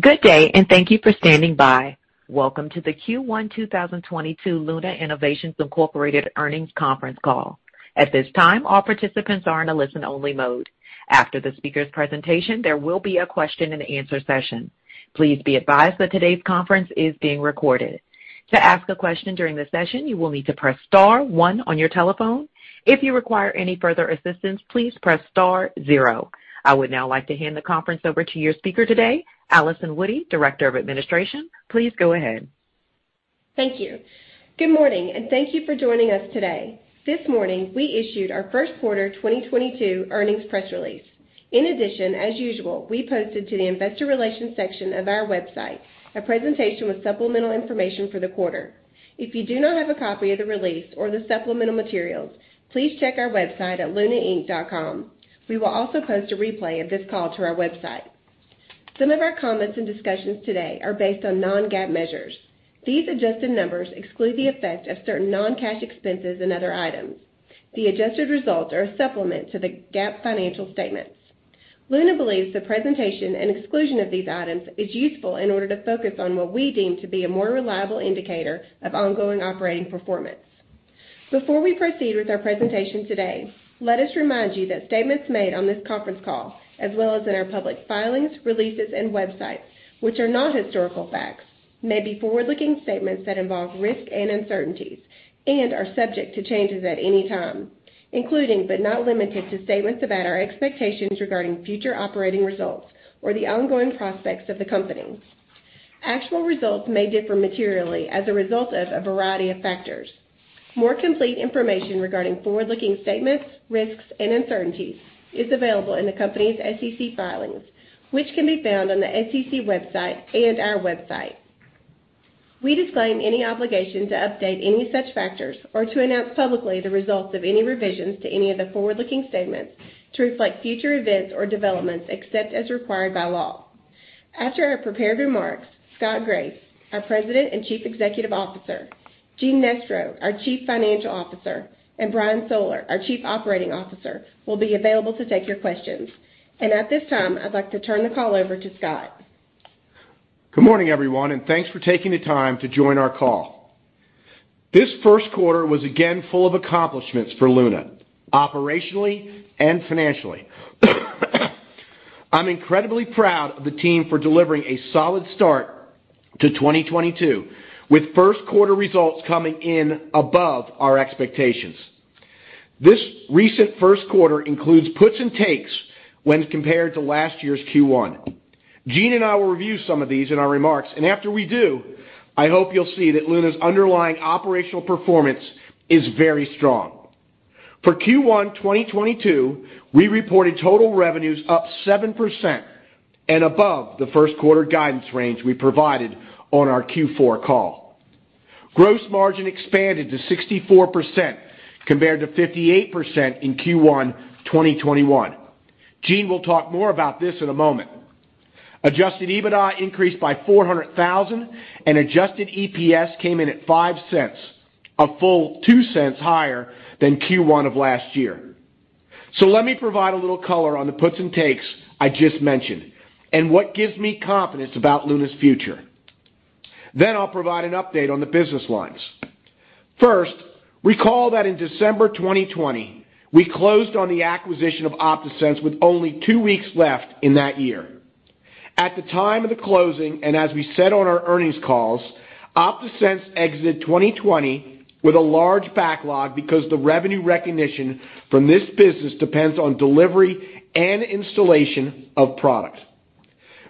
Good day and thank you for standing by. Welcome to the Q1 2022 Luna Innovations Incorporated earnings conference call. At this time, all participants are in a listen-only mode. After the speaker's presentation, there will be a question-and-answer session. Please be advised that today's conference is being recorded. To ask a question during the session, you will need to press star one on your telephone. If you require any further assistance, please press star zero. I would now like to hand the conference over to your speaker today, Allison Woody, Director of Administration. Please go ahead. Thank you. Good morning, and thank you for joining us today. This morning, we issued our first quarter 2022 earnings press release. In addition, as usual, we posted to the investor relations section of our website a presentation with supplemental information for the quarter. If you do not have a copy of the release or the supplemental materials, please check our website at lunainc.com. We will also post a replay of this call to our website. Some of our comments and discussions today are based on non-GAAP measures. These adjusted numbers exclude the effect of certain non-cash expenses and other items. The adjusted results are a supplement to the GAAP financial statements. Luna believes the presentation and exclusion of these items is useful in order to focus on what we deem to be a more reliable indicator of ongoing operating performance. Before we proceed with our presentation today, let us remind you that statements made on this conference call, as well as in our public filings, releases, and websites, which are not historical facts, may be forward-looking statements that involve risk and uncertainties and are subject to changes at any time, including, but not limited to, statements about our expectations regarding future operating results or the ongoing prospects of the company. Actual results may differ materially as a result of a variety of factors. More complete information regarding forward-looking statements, risks, and uncertainties is available in the company's SEC filings, which can be found on the SEC website and our website. We disclaim any obligation to update any such factors or to announce publicly the results of any revisions to any of the forward-looking statements to reflect future events or developments, except as required by law. After our prepared remarks, Scott Graeff, our President and Chief Executive Officer, Gene Nestro, our Chief Financial Officer, and Brian Soller, our Chief Operating Officer, will be available to take your questions. At this time, I'd like to turn the call over to Scott. Good morning, everyone, and thanks for taking the time to join our call. This first quarter was again full of accomplishments for Luna, operationally and financially. I'm incredibly proud of the team for delivering a solid start to 2022, with first quarter results coming in above our expectations. This recent first quarter includes puts and takes when compared to last year's Q1. Gene and I will review some of these in our remarks, and after we do, I hope you'll see that Luna's underlying operational performance is very strong. For Q1 2022, we reported total revenues up 7% and above the first quarter guidance range we provided on our Q4 call. Gross margin expanded to 64% compared to 58% in Q1 2021. Gene will talk more about this in a moment. Adjusted EBITDA increased by $400,000 and adjusted EPS came in at $0.05, a full $0.02 higher than Q1 of last year. Let me provide a little color on the puts and takes I just mentioned and what gives me confidence about Luna's future. I'll provide an update on the business lines. First, recall that in December 2020, we closed on the acquisition of OptaSense with only two weeks left in that year. At the time of the closing, and as we said on our earnings calls, OptaSense exited 2020 with a large backlog because the revenue recognition from this business depends on delivery and installation of products.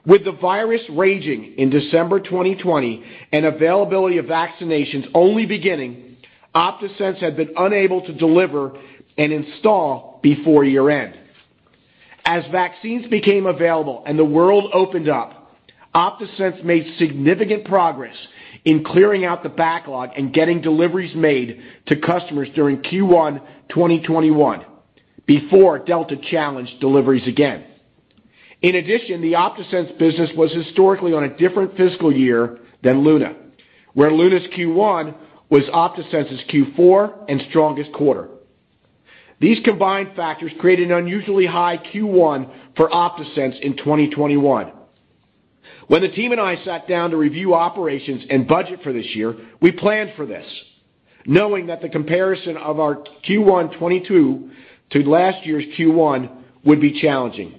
With the virus raging in December 2020 and availability of vaccinations only beginning, OptaSense had been unable to deliver and install before year-end. As vaccines became available and the world opened up, OptaSense made significant progress in clearing out the backlog and getting deliveries made to customers during Q1 2021 before Delta challenged deliveries again. In addition, the OptaSense business was historically on a different fiscal year than Luna, where Luna's Q1 was OptaSense's Q4 and strongest quarter. These combined factors created an unusually high Q1 for OptaSense in 2021. When the team and I sat down to review operations and budget for this year, we planned for this, knowing that the comparison of our Q1 2022 to last year's Q1 would be challenging.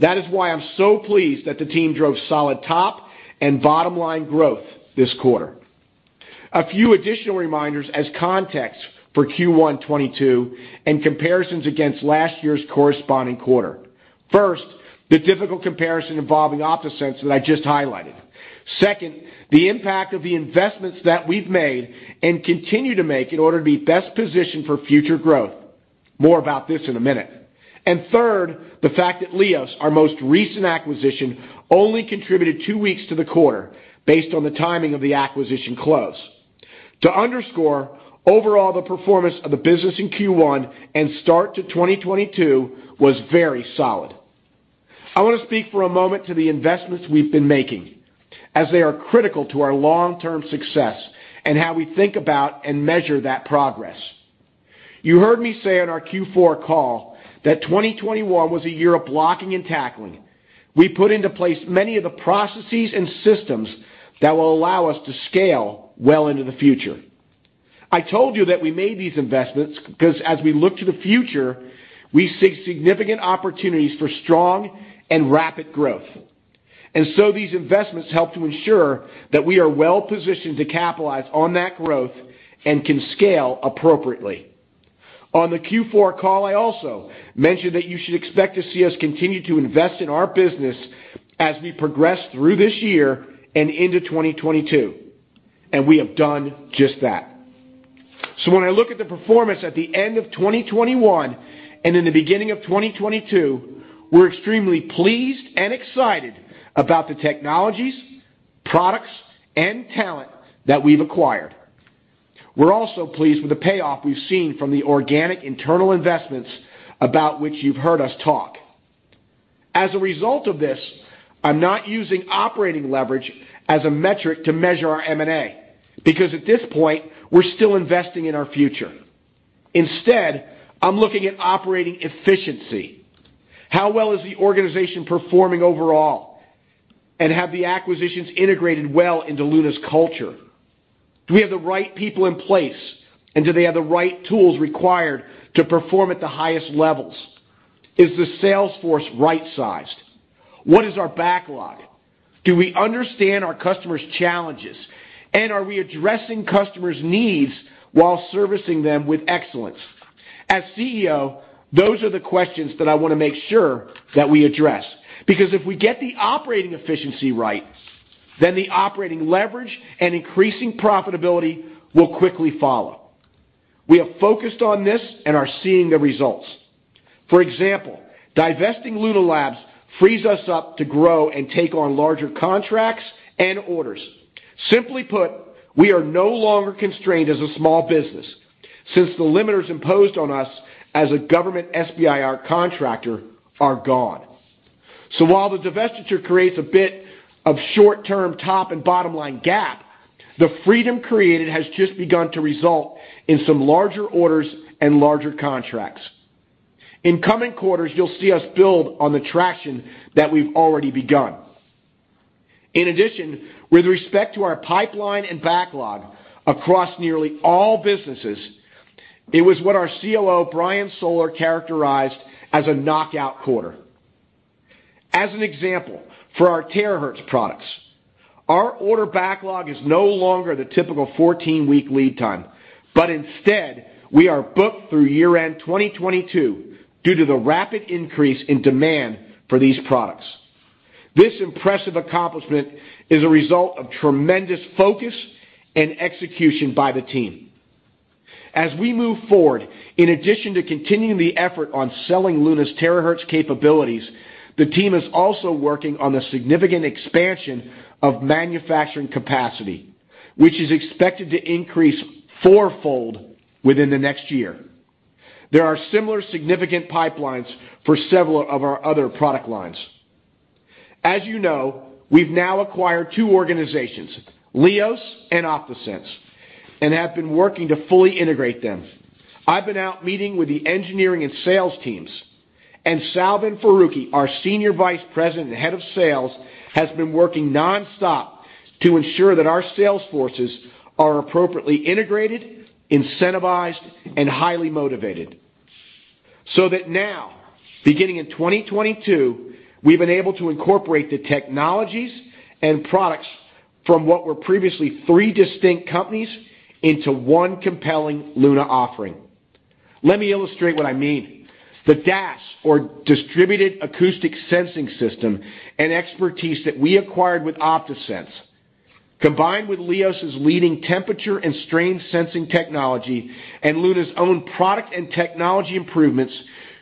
That is why I'm so pleased that the team drove solid top and bottom-line growth this quarter. A few additional reminders as context for Q1 2022 and comparisons against last year's corresponding quarter. First, the difficult comparison involving OptaSense that I just highlighted. Second, the impact of the investments that we've made and continue to make in order to be best positioned for future growth. More about this in a minute. Third, the fact that LIOS, our most recent acquisition, only contributed two weeks to the quarter based on the timing of the acquisition close. To underscore, overall the performance of the business in Q1 and start to 2022 was very solid. I wanna speak for a moment to the investments we've been making, as they are critical to our long-term success and how we think about and measure that progress. You heard me say on our Q4 call that 2021 was a year of blocking and tackling. We put into place many of the processes and systems that will allow us to scale well into the future. I told you that we made these investments because as we look to the future, we see significant opportunities for strong and rapid growth. These investments help to ensure that we are well-positioned to capitalize on that growth and can scale appropriately. On the Q4 call, I also mentioned that you should expect to see us continue to invest in our business as we progress through this year and into 2022, and we have done just that. When I look at the performance at the end of 2021 and in the beginning of 2022, we're extremely pleased and excited about the technologies, products, and talent that we've acquired. We're also pleased with the payoff we've seen from the organic internal investments about which you've heard us talk. As a result of this, I'm not using operating leverage as a metric to measure our M&A, because at this point, we're still investing in our future. Instead, I'm looking at operating efficiency. How well is the organization performing overall, and have the acquisitions integrated well into Luna's culture? Do we have the right people in place, and do they have the right tools required to perform at the highest levels? Is the sales force right-sized? What is our backlog? Do we understand our customers' challenges, and are we addressing customers' needs while servicing them with excellence? As CEO, those are the questions that I wanna make sure that we address. Because if we get the operating efficiency right, then the operating leverage and increasing profitability will quickly follow. We have focused on this and are seeing the results. For example, divesting Luna Labs frees us up to grow and take on larger contracts and orders. Simply put, we are no longer constrained as a small business since the limiters imposed on us as a government SBIR contractor are gone. While the divestiture creates a bit of short-term top and bottom line gap, the freedom created has just begun to result in some larger orders and larger contracts. In coming quarters, you'll see us build on the traction that we've already begun. In addition, with respect to our pipeline and backlog across nearly all businesses, it was what our COO, Brian Soller, characterized as a knockout quarter. As an example, for our Terahertz products, our order backlog is no longer the typical 14-week lead time, but instead, we are booked through year-end 2022 due to the rapid increase in demand for these products. This impressive accomplishment is a result of tremendous focus and execution by the team. As we move forward, in addition to continuing the effort on selling Luna's Terahertz capabilities, the team is also working on a significant expansion of manufacturing capacity, which is expected to increase four-fold within the next year. There are similar significant pipelines for several of our other product lines. As you know, we've now acquired two organizations, LIOS and OptaSense, and have been working to fully integrate them. I've been out meeting with the engineering and sales teams, and Salvan Farooqui, our senior vice president and head of sales, has been working nonstop to ensure that our sales forces are appropriately integrated, incentivized, and highly motivated. That now, beginning in 2022, we've been able to incorporate the technologies and products from what were previously three distinct companies into one compelling Luna offering. Let me illustrate what I mean. The DAS, or Distributed Acoustic Sensing System, and expertise that we acquired with OptaSense, combined with LIOS's leading temperature and strain sensing technology and Luna's own product and technology improvements,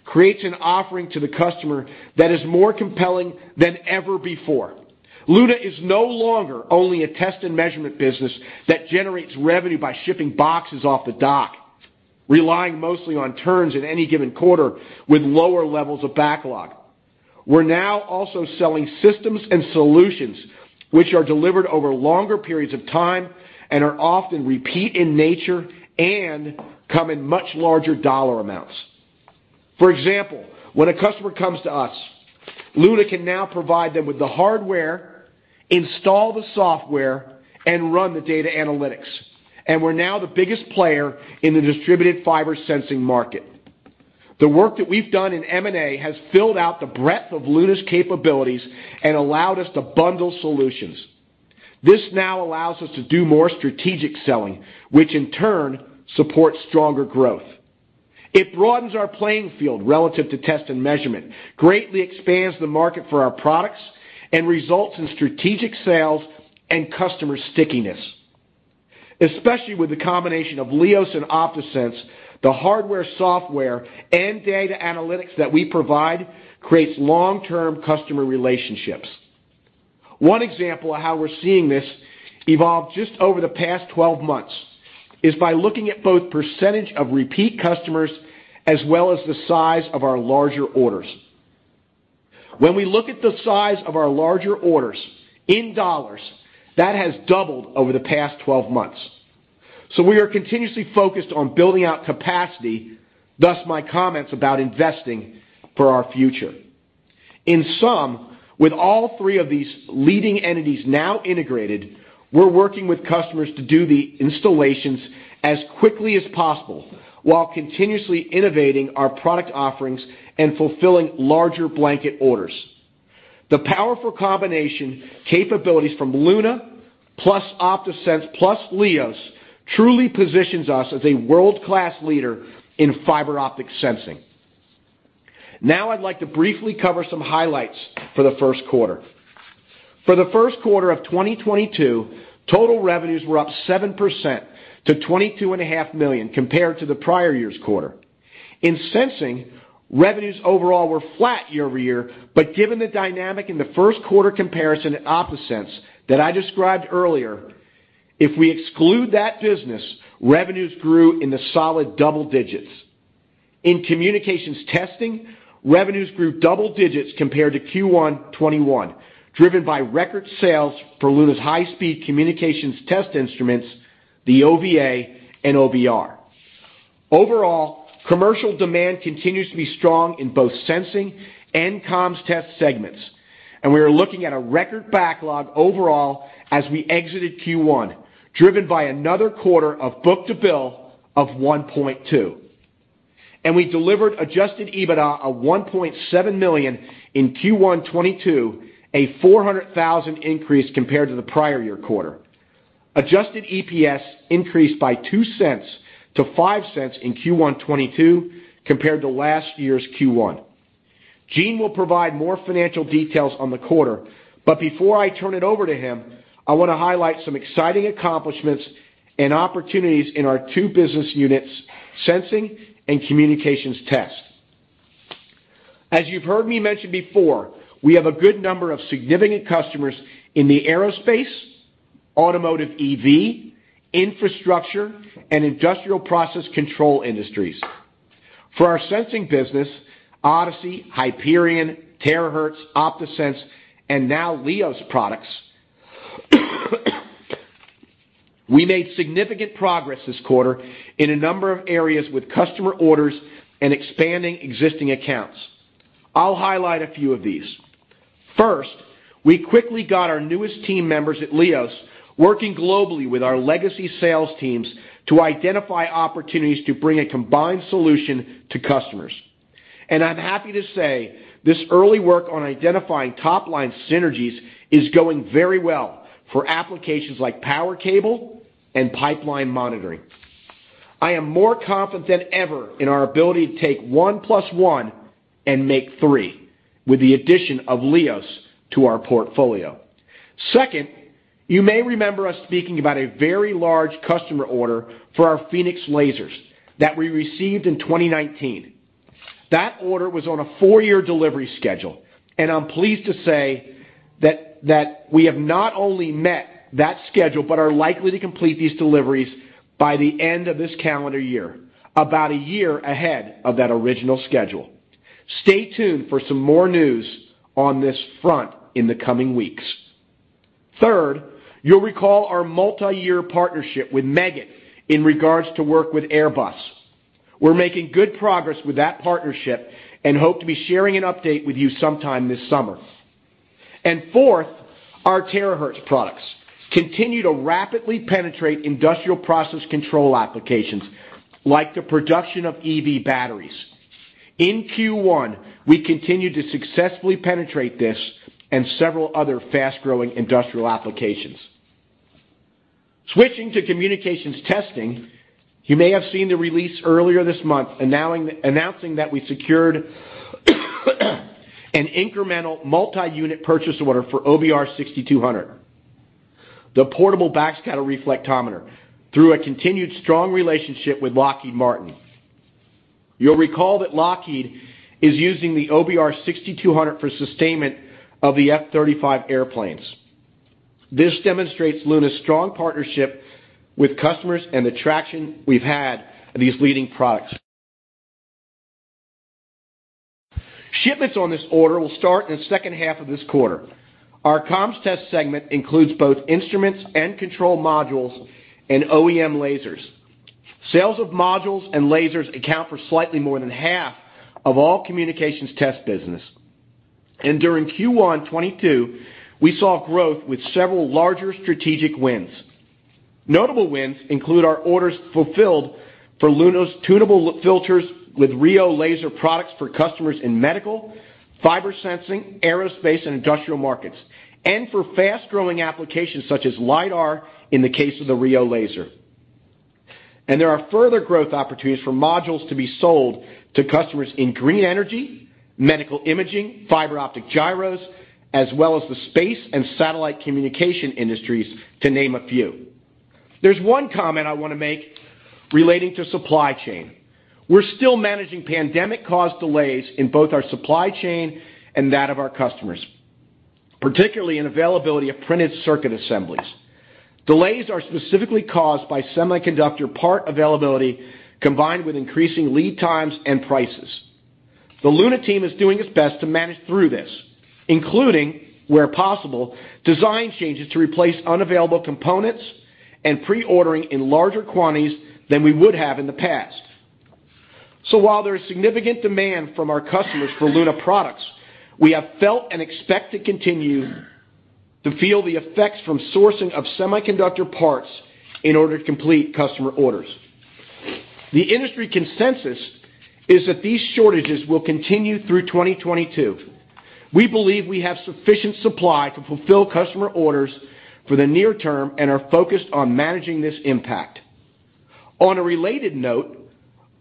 creates an offering to the customer that is more compelling than ever before. Luna is no longer only a test and measurement business that generates revenue by shipping boxes off the dock, relying mostly on turns in any given quarter with lower levels of backlog. We're now also selling systems and solutions which are delivered over longer periods of time and are often repeat in nature and come in much larger dollar amounts. For example, when a customer comes to us, Luna can now provide them with the hardware, install the software, and run the data analytics. We're now the biggest player in the distributed fiber sensing market. The work that we've done in M&A has filled out the breadth of Luna's capabilities and allowed us to bundle solutions. This now allows us to do more strategic selling, which in turn supports stronger growth. It broadens our playing field relative to test and measurement, greatly expands the market for our products, and results in strategic sales and customer stickiness. Especially with the combination of LIOS and OptaSense, the hardware, software, and data analytics that we provide creates long-term customer relationships. One example of how we're seeing this evolve just over the past 12 months is by looking at both percentage of repeat customers as well as the size of our larger orders. When we look at the size of our larger orders in dollars, that has doubled over the past 12 months. We are continuously focused on building out capacity, thus my comments about investing for our future. In sum, with all three of these leading entities now integrated, we're working with customers to do the installations as quickly as possible while continuously innovating our product offerings and fulfilling larger blanket orders. The powerful combination capabilities from Luna plus OptaSense, plus LIOS truly positions us as a world-class leader in fiber optic sensing. Now I'd like to briefly cover some highlights for the first quarter. For the first quarter of 2022, total revenues were up 7% to $22.5 million compared to the prior year's quarter. In sensing, revenues overall were flat year-over-year, but given the dynamic in the first quarter comparison at OptaSense that I described earlier, if we exclude that business, revenues grew in the solid double digits. In communications testing, revenues grew double digits compared to Q1 2021, driven by record sales for Luna's high-speed communications test instruments, the OVA and OBR. Overall, commercial demand continues to be strong in both sensing and comms test segments, and we are looking at a record backlog overall as we exited Q1, driven by another quarter of book-to-bill of 1.2. We delivered adjusted EBITDA of $1.7 million in Q1 2022, a $400,000 increase compared to the prior year quarter. Adjusted EPS increased by $0.02 to $0.05 in Q1 2022 compared to last year's Q1. Gene will provide more financial details on the quarter, but before I turn it over to him, I want to highlight some exciting accomplishments and opportunities in our two business units, sensing and communications test. As you've heard me mention before, we have a good number of significant customers in the aerospace, automotive EV, infrastructure, and industrial process control industries. For our sensing business, ODiSI, Hyperion, Terahertz, OptaSense, and now LIOS products, we made significant progress this quarter in a number of areas with customer orders and expanding existing accounts. I'll highlight a few of these. First, we quickly got our newest team members at LIOS working globally with our legacy sales teams to identify opportunities to bring a combined solution to customers. I'm happy to say this early work on identifying top-line synergies is going very well for applications like power cable and pipeline monitoring. I am more confident than ever in our ability to take one plus one and make three with the addition of LIOS to our portfolio. Second, you may remember us speaking about a very large customer order for our Phoenix lasers that we received in 2019. That order was on a four-year delivery schedule, and I'm pleased to say that we have not only met that schedule but are likely to complete these deliveries by the end of this calendar year, about a year ahead of that original schedule. Stay tuned for some more news on this front in the coming weeks. Third, you'll recall our multiyear partnership with Meggitt in regards to work with Airbus. We're making good progress with that partnership and hope to be sharing an update with you sometime this summer. Fourth, our terahertz products continue to rapidly penetrate industrial process control applications like the production of EV batteries. In Q1, we continued to successfully penetrate this and several other fast-growing industrial applications. Switching to communications testing, you may have seen the release earlier this month announcing that we secured an incremental multi-unit purchase order for OBR 6200, the portable backscatter reflectometer, through a continued strong relationship with Lockheed Martin. You'll recall that Lockheed is using the OBR 6200 for sustainment of the F-35 airplanes. This demonstrates Luna's strong partnership with customers and the traction we've had with these leading products. Shipments on this order will start in the second half of this quarter. Our comms test segment includes both instruments and control modules and OEM lasers. Sales of modules and lasers account for slightly more than half of all communications test business. During Q1 2022, we saw growth with several larger strategic wins. Notable wins include our orders fulfilled for Luna's tunable filters with RIO Laser products for customers in medical, fiber sensing, aerospace, and industrial markets, and for fast-growing applications such as LiDAR in the case of the RIO Laser. There are further growth opportunities for modules to be sold to customers in green energy, medical imaging, fiber optic gyros, as well as the space and satellite communication industries, to name a few. There's one comment I wanna make relating to supply chain. We're still managing pandemic-caused delays in both our supply chain and that of our customers, particularly in availability of printed circuit assemblies. Delays are specifically caused by semiconductor part availability, combined with increasing lead times and prices. The Luna team is doing its best to manage through this, including, where possible, design changes to replace unavailable components and pre-ordering in larger quantities than we would have in the past. While there is significant demand from our customers for Luna products, we have felt and expect to continue to feel the effects from sourcing of semiconductor parts in order to complete customer orders. The industry consensus is that these shortages will continue through 2022. We believe we have sufficient supply to fulfill customer orders for the near term and are focused on managing this impact. On a related note,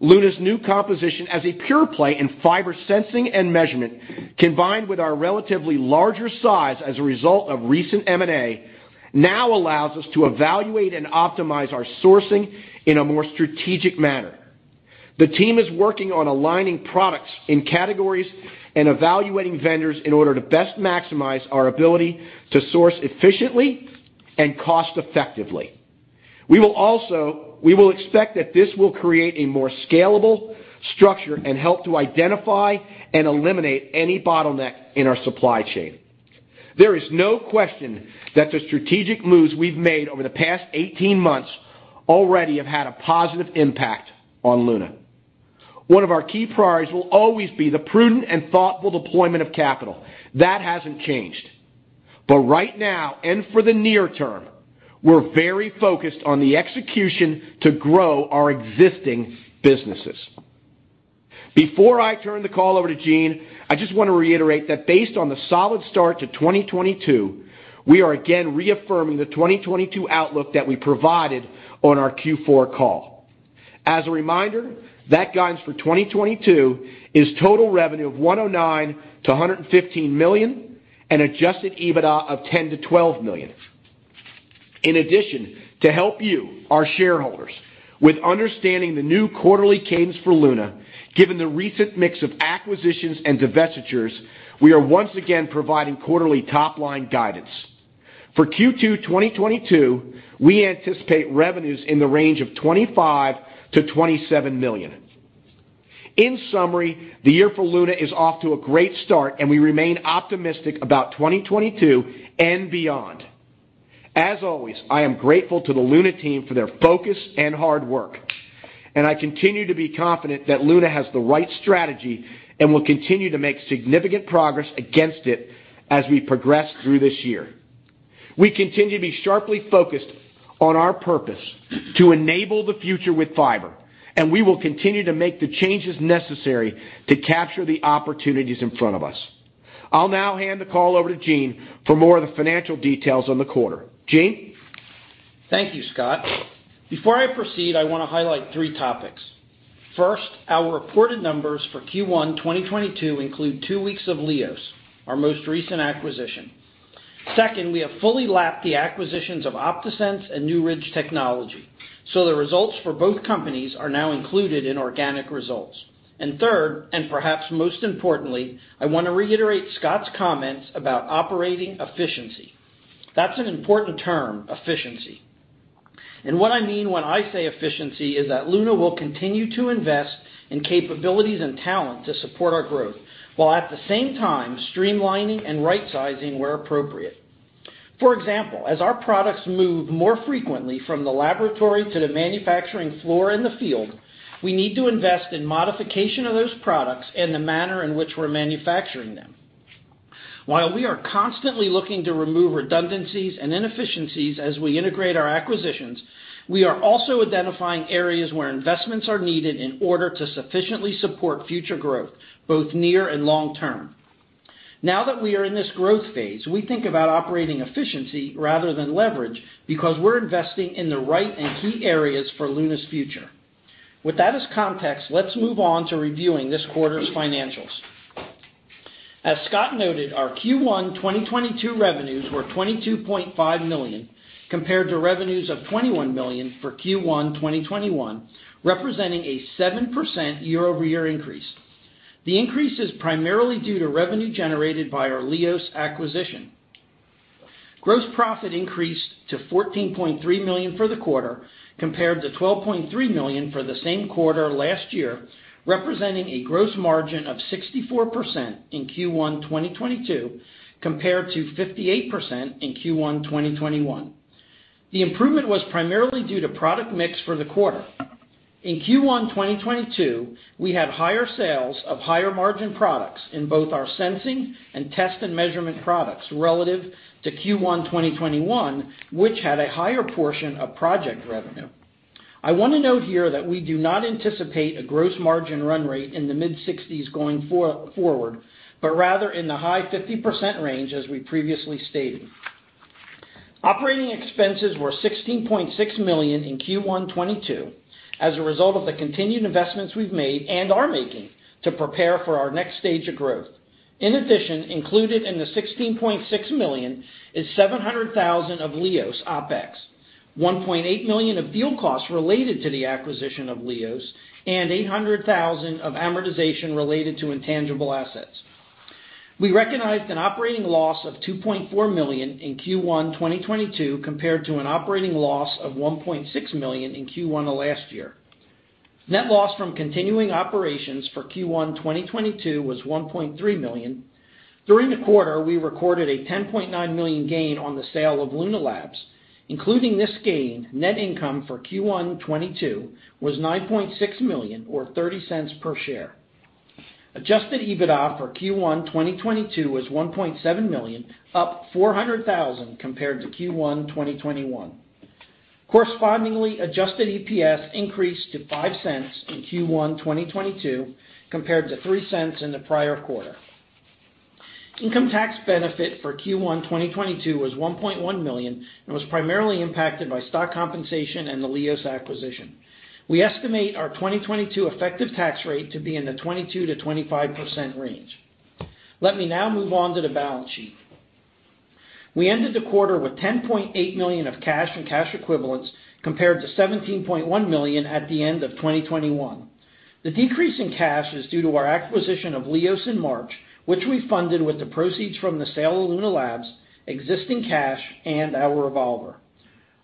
Luna's new composition as a pure play in fiber sensing and measurement, combined with our relatively larger size as a result of recent M&A, now allows us to evaluate and optimize our sourcing in a more strategic manner. The team is working on aligning products in categories and evaluating vendors in order to best maximize our ability to source efficiently and cost-effectively. We will expect that this will create a more scalable structure and help to identify and eliminate any bottleneck in our supply chain. There is no question that the strategic moves we've made over the past 18 months already have had a positive impact on Luna. One of our key priorities will always be the prudent and thoughtful deployment of capital. That hasn't changed. Right now, and for the near term, we're very focused on the execution to grow our existing businesses. Before I turn the call over to Gene, I just want to reiterate that based on the solid start to 2022, we are again reaffirming the 2022 outlook that we provided on our Q4 call. As a reminder, that guidance for 2022 is total revenue of $109 million-$115 million and adjusted EBITDA of $10 million-$12 million. In addition, to help you, our shareholders, with understanding the new quarterly cadence for Luna, given the recent mix of acquisitions and divestitures, we are once again providing quarterly top-line guidance. For Q2 2022, we anticipate revenues in the range of $25 million-$27 million. In summary, the year for Luna is off to a great start, and we remain optimistic about 2022 and beyond. As always, I am grateful to the Luna team for their focus and hard work, and I continue to be confident that Luna has the right strategy and will continue to make significant progress against it as we progress through this year. We continue to be sharply focused on our purpose, to enable the future with fiber, and we will continue to make the changes necessary to capture the opportunities in front of us. I'll now hand the call over to Gene for more of the financial details on the quarter. Gene? Thank you, Scott. Before I proceed, I want to highlight three topics. First, our reported numbers for Q1 2022 include two weeks of LIOS, our most recent acquisition. Second, we have fully lapped the acquisitions of OptaSense and New Ridge Technologies, so the results for both companies are now included in organic results. Third, and perhaps most importantly, I want to reiterate Scott's comments about operating efficiency. That's an important term, efficiency. What I mean when I say efficiency is that Luna will continue to invest in capabilities and talent to support our growth, while at the same time streamlining and rightsizing where appropriate. For example, as our products move more frequently from the laboratory to the manufacturing floor in the field, we need to invest in modification of those products and the manner in which we're manufacturing them. While we are constantly looking to remove redundancies and inefficiencies as we integrate our acquisitions, we are also identifying areas where investments are needed in order to sufficiently support future growth, both near and long term. Now that we are in this growth phase, we think about operating efficiency rather than leverage because we're investing in the right and key areas for Luna's future. With that as context, let's move on to reviewing this quarter's financials. As Scott noted, our Q1 2022 revenues were $22.5 million, compared to revenues of $21 million for Q1 2021, representing a 7% year-over-year increase. The increase is primarily due to revenue generated by our LIOS acquisition. Gross profit increased to $14.3 million for the quarter, compared to $12.3 million for the same quarter last year, representing a gross margin of 64% in Q1 2022, compared to 58% in Q1 2021. The improvement was primarily due to product mix for the quarter. In Q1 2022, we had higher sales of higher-margin products in both our sensing and test and measurement products relative to Q1 2021, which had a higher portion of project revenue. I want to note here that we do not anticipate a gross margin run rate in the mid-60s going forward, but rather in the high 50% range, as we previously stated. Operating expenses were $16.6 million in Q1 2022 as a result of the continued investments we've made and are making to prepare for our next stage of growth. In addition, included in the $16.6 million is $700,000 of LIOS OpEx, $1.8 million of fuel costs related to the acquisition of LIOS, and $800,000 of amortization related to intangible assets. We recognized an operating loss of $2.4 million in Q1 2022 compared to an operating loss of $1.6 million in Q1 of last year. Net loss from continuing operations for Q1 2022 was $1.3 million. During the quarter, we recorded a $10.9 million gain on the sale of Luna Labs. Including this gain, net income for Q1 2022 was $9.6 million or $0.30 per share. Adjusted EBITDA for Q1 2022 was $1.7 million, up $400,000 compared to Q1 2021. Correspondingly, adjusted EPS increased to $0.05 in Q1 2022 compared to $0.03 in the prior quarter. Income tax benefit for Q1 2022 was $1.1 million and was primarily impacted by stock compensation and the LIOS acquisition. We estimate our 2022 effective tax rate to be in the 22%-25% range. Let me now move on to the balance sheet. We ended the quarter with $10.8 million of cash and cash equivalents compared to $17.1 million at the end of 2022. The decrease in cash is due to our acquisition of LIOS in March, which we funded with the proceeds from the sale of Luna Labs, existing cash, and our revolver.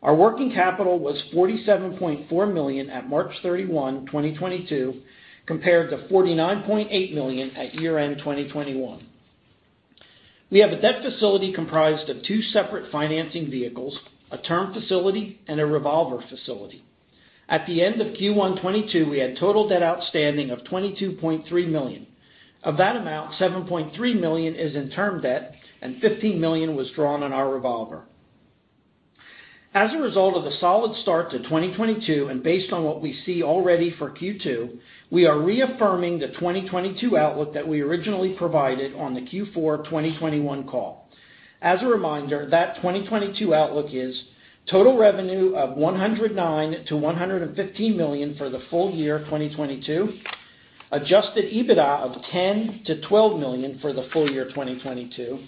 Our working capital was $47.4 million at March 31, 2022, compared to $49.8 million at year-end 2021. We have a debt facility comprised of two separate financing vehicles, a term facility and a revolver facility. At the end of Q1 2022, we had total debt outstanding of $22.3 million. Of that amount, $7.3 million is in term debt, and $15 million was drawn on our revolver. As a result of the solid start to 2022 and based on what we see already for Q2, we are reaffirming the 2022 outlook that we originally provided on the Q4 2021 call. As a reminder, that 2022 outlook is total revenue of $109 million-$115 million for the full year 2022, adjusted EBITDA of $10 million-$12 million for the full year 2022.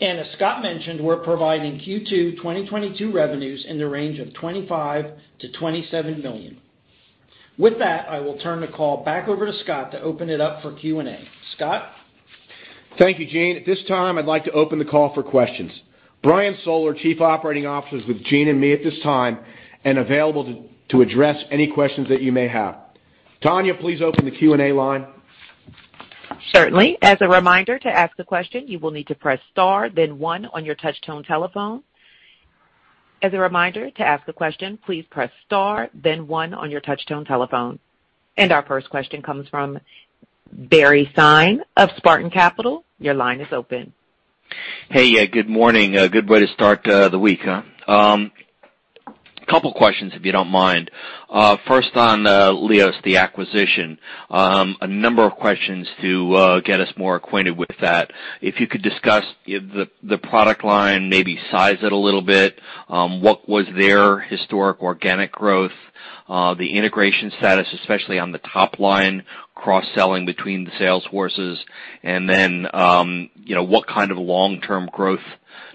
As Scott mentioned, we're providing Q2 2022 revenues in the range of $25 million-$27 million. With that, I will turn the call back over to Scott to open it up for Q&A. Scott? Thank you, Gene. At this time, I'd like to open the call for questions. Brian Soller, Chief Operating Officer, is with Gene and me at this time and available to address any questions that you may have. Tanya, please open the Q&A line. Certainly. As a reminder, to ask a question, you will need to press star then one on your touch tone telephone. As a reminder, to ask a question, please press star then one on your touch tone telephone. Our first question comes from Barry Sine of Spartan Capital. Your line is open. Hey. Good morning. A good way to start the week, huh? Couple questions, if you don't mind. First on LIOS, the acquisition, a number of questions to get us more acquainted with that. If you could discuss the product line, maybe size it a little bit, what was their historic organic growth, the integration status, especially on the top line, cross-selling between the sales forces, and then, you know, what kind of long-term growth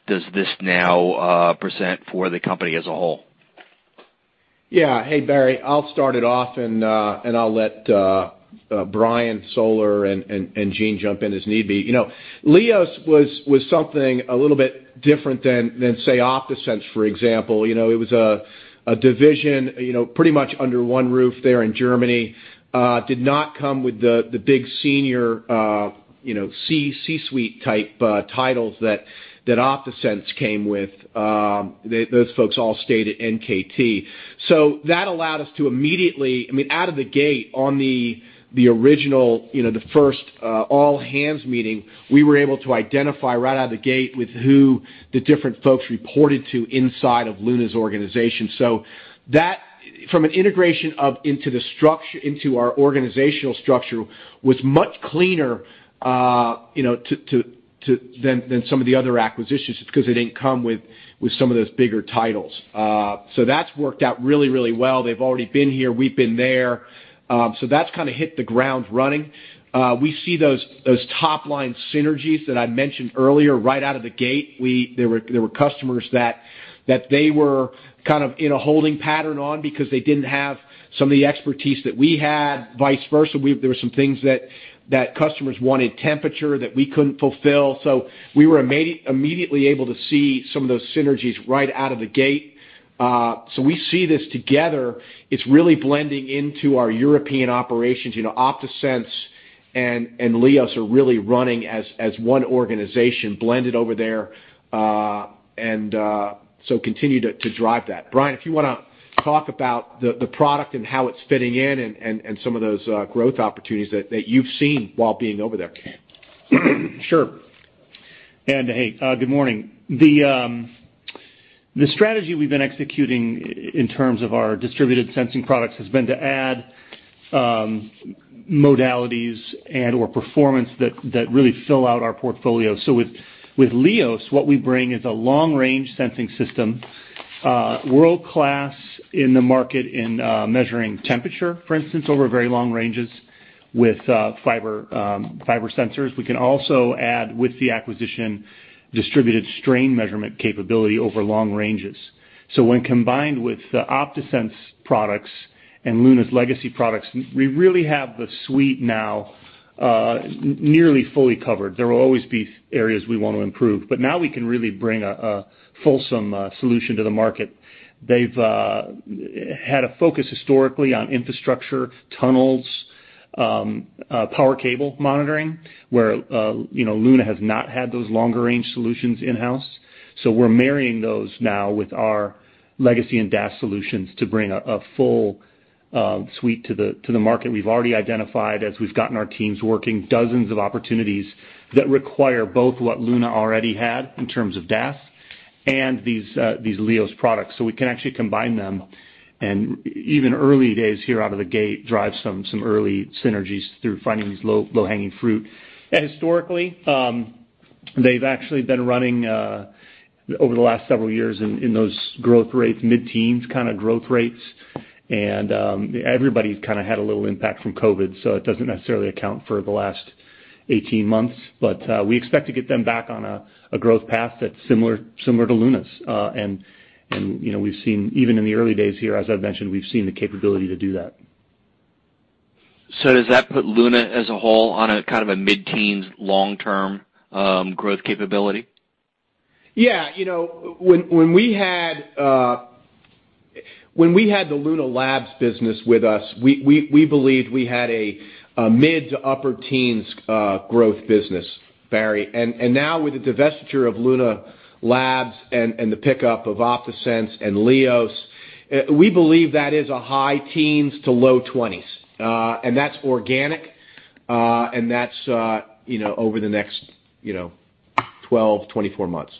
does this now present for the company as a whole? Yeah. Hey, Barry, I'll start it off, and I'll let Brian Soller and Gene jump in as need be. You know, LIOS was something a little bit different than, say, OptaSense, for example. You know, it was a division, you know, pretty much under one roof there in Germany. Did not come with the big senior, you know, C-suite type titles that OptaSense came with. Those folks all stayed at NKT. That allowed us to immediately out of the gate on the original, you know, the first all hands meeting, we were able to identify right out of the gate with who the different folks reported to inside of Luna's organization. The integration into our organizational structure was much cleaner, you know, than some of the other acquisitions just 'cause it didn't come with some of those bigger titles. That's worked out really well. They've already been here. We've been there. That's kinda hit the ground running. We see those top-line synergies that I mentioned earlier right out of the gate. There were customers that they were kind of in a holding pattern on because they didn't have some of the expertise that we had. Vice versa. There were some things that customers wanted, temperature, that we couldn't fulfill. We were immediately able to see some of those synergies right out of the gate. We see this together. It's really blending into our European operations. OptaSense and LIOS are really running as one organization blended over there. Continue to drive that. Brian, if you wanna talk about the product and how it's fitting in and some of those growth opportunities that you've seen while being over there. Sure. Hey, good morning. The strategy we've been executing in terms of our distributed sensing products has been to add modalities and/or performance that really fill out our portfolio. With LIOS, what we bring is a long-range sensing system World-class in the market in measuring temperature, for instance, over very long ranges with fiber sensors. We can also add, with the acquisition, distributed strain measurement capability over long ranges. When combined with the OptaSense products and Luna's legacy products, we really have the suite now, nearly fully covered. There will always be areas we wanna improve, but now we can really bring a fulsome solution to the market. They've had a focus historically on infrastructure, tunnels, power cable monitoring, where you know, Luna has not had those longer-range solutions in-house. We're marrying those now with our legacy and DAS solutions to bring a full suite to the market. We've already identified, as we've gotten our teams working, dozens of opportunities that require both what Luna already had in terms of DAS and these LIOS products. We can actually combine them and even early days here out of the gate, drive some early synergies through finding these low-hanging fruit. Historically, they've actually been running over the last several years in those growth rates, mid-teens% kind of growth rates. Everybody's kind of had a little impact from COVID, so it doesn't necessarily account for the last 18 months. We expect to get them back on a growth path that's similar to Luna's. You know, we've seen even in the early days here, as I've mentioned, we've seen the capability to do that. Does that put Luna as a whole on a kind of a mid-teens long-term growth capability? Yeah. You know, when we had the Luna Labs business with us, we believed we had a mid- to upper-teens growth business, Barry. Now with the divestiture of Luna Labs and the pickup of OptaSense and LIOS, we believe that is a high-teens to low-20s. And that's organic, and that's, you know, over the next 12-24 months.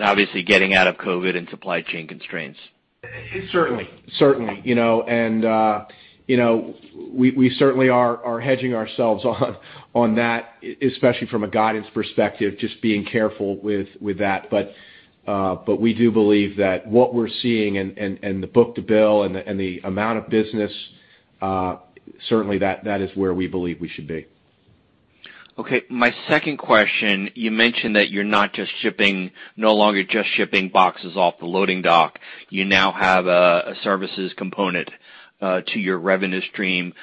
Obviously getting out of COVID and supply chain constraints. Certainly. You know, we certainly are hedging ourselves on that, especially from a guidance perspective, just being careful with that. We do believe that what we're seeing and the book to bill and the amount of business certainly that is where we believe we should be. Okay. My second question, you mentioned that you're not just shipping boxes off the loading dock. You now have a services component to your revenue stream.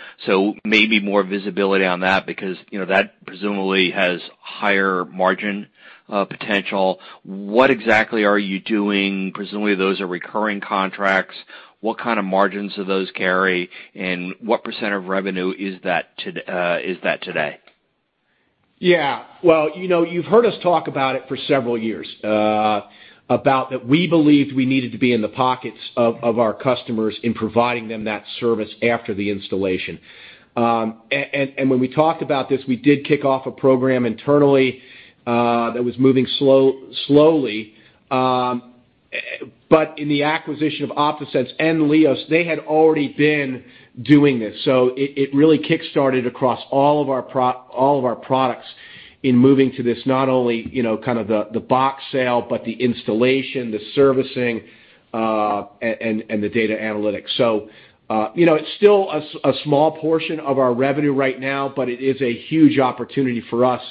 Maybe more visibility on that because, you know, that presumably has higher margin potential. What exactly are you doing? Presumably, those are recurring contracts. What kind of margins do those carry, and what percent of revenue is that today? Yeah. Well, you know, you've heard us talk about it for several years about that we believed we needed to be in the pockets of our customers in providing them that service after the installation. And when we talked about this, we did kick off a program internally that was moving slowly. But in the acquisition of OptaSense and LIOS, they had already been doing this, so it really kickstarted across all of our products in moving to this not only, you know, kind of the box sale, but the installation, the servicing, and the data analytics. So, you know, it's still a small portion of our revenue right now, but it is a huge opportunity for us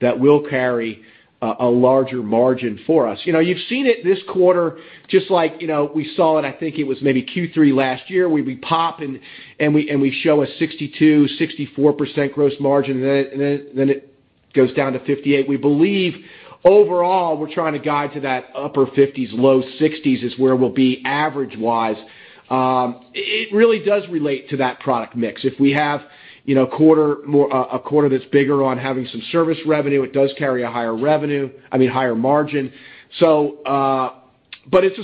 that will carry a larger margin for us. You know, you've seen it this quarter, just like, you know, we saw it, I think it was maybe Q3 last year, where we pop and we show a 62%-64% gross margin, and then it goes down to 58%. We believe overall, we're trying to guide to that upper 50s, low 60s is where we'll be average-wise. It really does relate to that product mix. If we have, you know, a quarter that's bigger on having some service revenue, it does carry a higher revenue, I mean, higher margin. It's a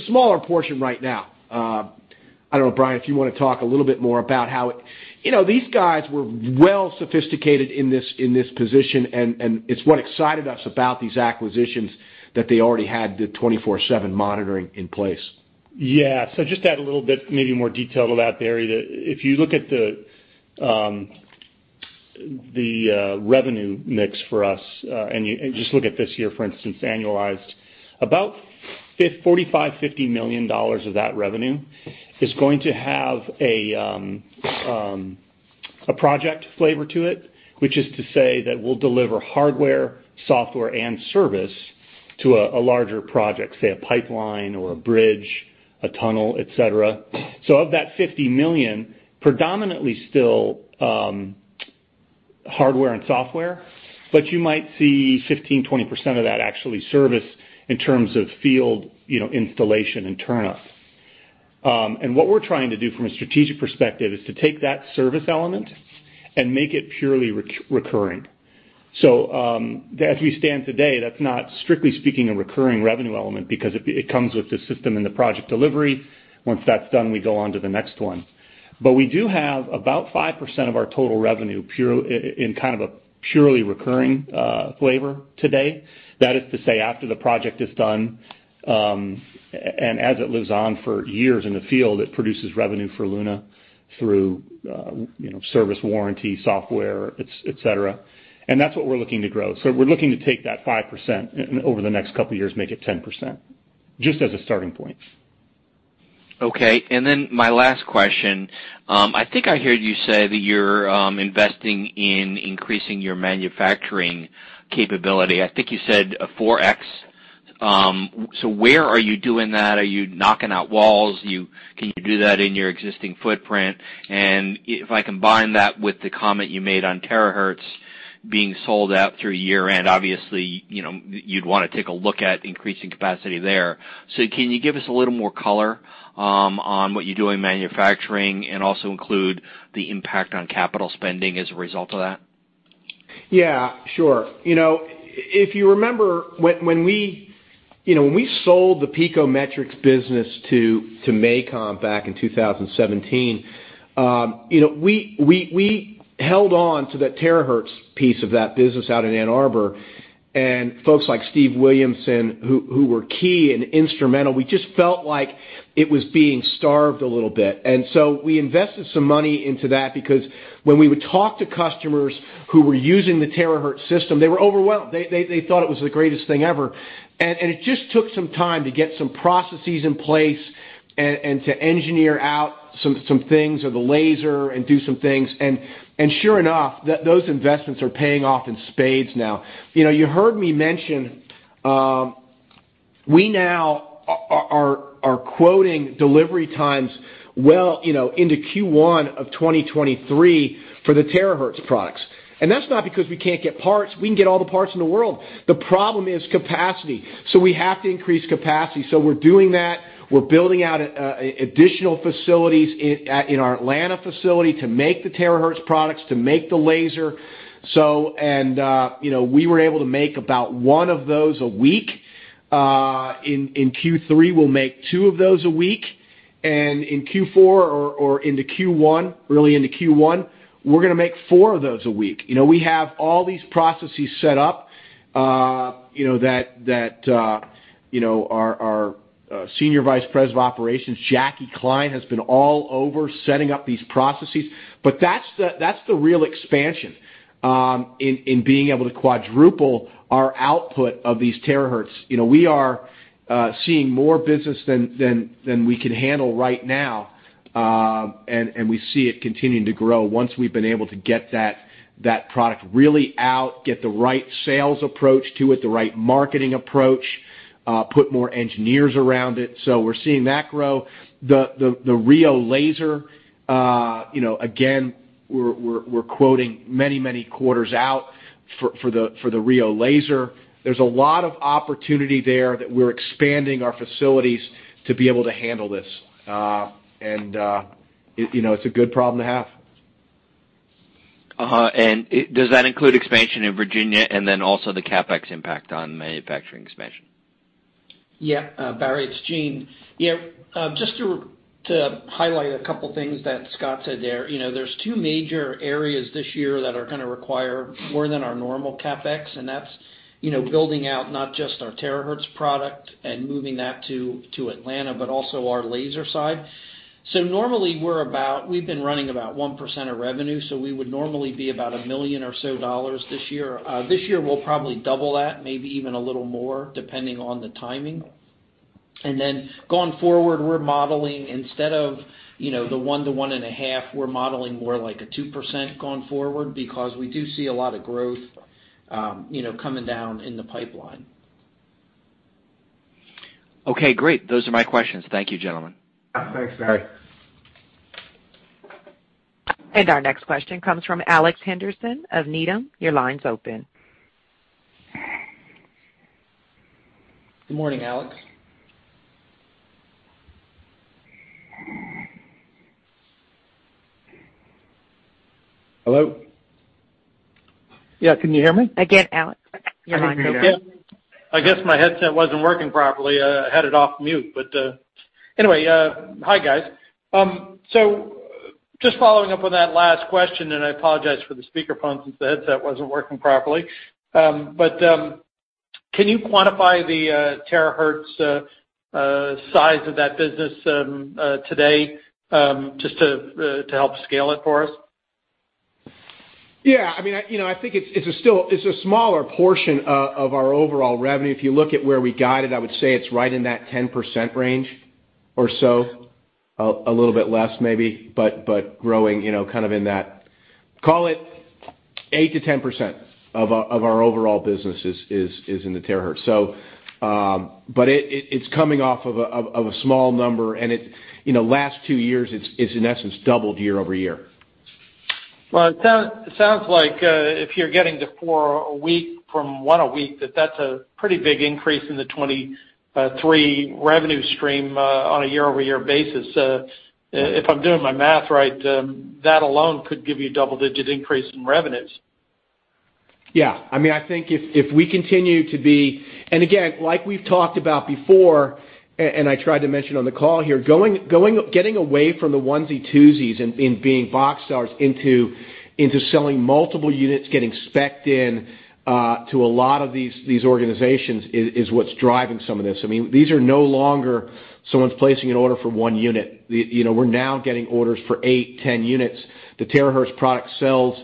smaller portion right now. I don't know, Brian, if you wanna talk a little bit more about how it... You know, these guys were well sophisticated in this position, and it's what excited us about these acquisitions that they already had the 24/7 monitoring in place. Yeah. Just to add a little bit, maybe more detail about the area. If you look at the revenue mix for us, and you just look at this year, for instance, annualized. About $45 million-$50 million of that revenue is going to have a project flavor to it, which is to say that we'll deliver hardware, software, and service to a larger project, say a pipeline or a bridge, a tunnel, et cetera. Of that $50 million, predominantly still hardware and software, but you might see 15%-20% of that actually service in terms of field, you know, installation and turnups. What we're trying to do from a strategic perspective is to take that service element and make it purely recurring. As we stand today, that's not, strictly speaking, a recurring revenue element because it comes with the system and the project delivery. Once that's done, we go on to the next one. We do have about 5% of our total revenue pure in kind of a purely recurring flavor today. That is to say, after the project is done, and as it lives on for years in the field, it produces revenue for Luna through you know, service warranty, software, etcetera. That's what we're looking to grow. We're looking to take that 5% and over the next couple of years, make it 10%, just as a starting point. Okay. My last question, I think I heard you say that you're investing in increasing your manufacturing capability. I think you said a 4x. Where are you doing that? Are you knocking out walls? Can you do that in your existing footprint? If I combine that with the comment you made on Terahertz being sold out through year-end, obviously, you know, you'd wanna take a look at increasing capacity there. Can you give us a little more color on what you do in manufacturing and also include the impact on capital spending as a result of that? Yeah, sure. You know, if you remember, when we sold the Picometrix business to MACOM back in 2017, you know, we held on to that Terahertz piece of that business out in Ann Arbor, and folks like Steve Williamson, who were key and instrumental, we just felt like it was being starved a little bit. We invested some money into that because when we would talk to customers who were using the Terahertz system, they were overwhelmed. They thought it was the greatest thing ever. It just took some time to get some processes in place and to engineer out some things of the laser and do some things. Sure enough, those investments are paying off in spades now. You know, you heard me mention, we now are quoting delivery times well, you know, into Q1 of 2023 for the Terahertz products. That's not because we can't get parts. We can get all the parts in the world. The problem is capacity. We have to increase capacity. We're doing that. We're building out additional facilities in our Atlanta facility to make the Terahertz products, to make the laser. You know, we were able to make about one of those a week. In Q3, we'll make two of those a week. In Q4 or into Q1, early into Q1, we're gonna make four of those a week. You know, we have all these processes set up, you know, that our Senior Vice President of Operations, Jackie Kline, has been all over setting up these processes. But that's the real expansion in being able to quadruple our output of these Terahertz. You know, we are seeing more business than we can handle right now, and we see it continuing to grow once we've been able to get that product really out, get the right sales approach to it, the right marketing approach, put more engineers around it. So we're seeing that grow. The RIO Laser, you know, again, we're quoting many quarters out for the RIO Laser. There's a lot of opportunity there that we're expanding our facilities to be able to handle this. You know, it's a good problem to have. Does that include expansion in Virginia and then also the CapEx impact on manufacturing expansion? Barry, it's Gene Nestro. Just to highlight a couple things that Scott said there. You know, there are two major areas this year that are gonna require more than our normal CapEx, and that's, you know, building out not just our Terahertz product and moving that to Atlanta, but also our laser side. Normally we're about 1% of revenue, so we would normally be about $1 million or so this year. This year we'll probably double that, maybe even a little more, depending on the timing. Then going forward, we're modeling instead of, you know, the 1%-1.5%, we're modeling more like 2% going forward because we do see a lot of growth, you know, coming down in the pipeline. Okay, great. Those are my questions. Thank you, gentlemen. Thanks, Barry. Thanks. Our next question comes from Alex Henderson of Needham. Your line's open. Good morning, Alex. Hello? Yeah, can you hear me? Again, Alex, your line is open. I guess my headset wasn't working properly. I had it off mute. Anyway, hi, guys. Just following up on that last question. I apologize for the speaker phone since the headset wasn't working properly. Can you quantify the Terahertz size of that business today, just to help scale it for us? Yeah, I mean, you know, I think it's still a smaller portion of our overall revenue. If you look at where we got it, I would say it's right in that 10% range or so, a little bit less maybe, but growing, you know, kind of in that. Call it 8%-10% of our overall business is in the Terahertz. But it's coming off of a small number, and, you know, last two years, it's in essence doubled year over year. Well, it sounds like if you're getting to four a week from one a week, that's a pretty big increase in the 2023 revenue stream on a year-over-year basis. If I'm doing my math right, that alone could give you a double-digit increase in revenues. I mean, I think if we continue to be, again, like we've talked about before, and I tried to mention on the call here, getting away from the onesie twosies and being box stores into selling multiple units, getting spec'd in to a lot of these organizations is what's driving some of this. I mean, these are no longer someone placing an order for one unit. You know, we're now getting orders for eight, 10 units. The Terahertz product sells,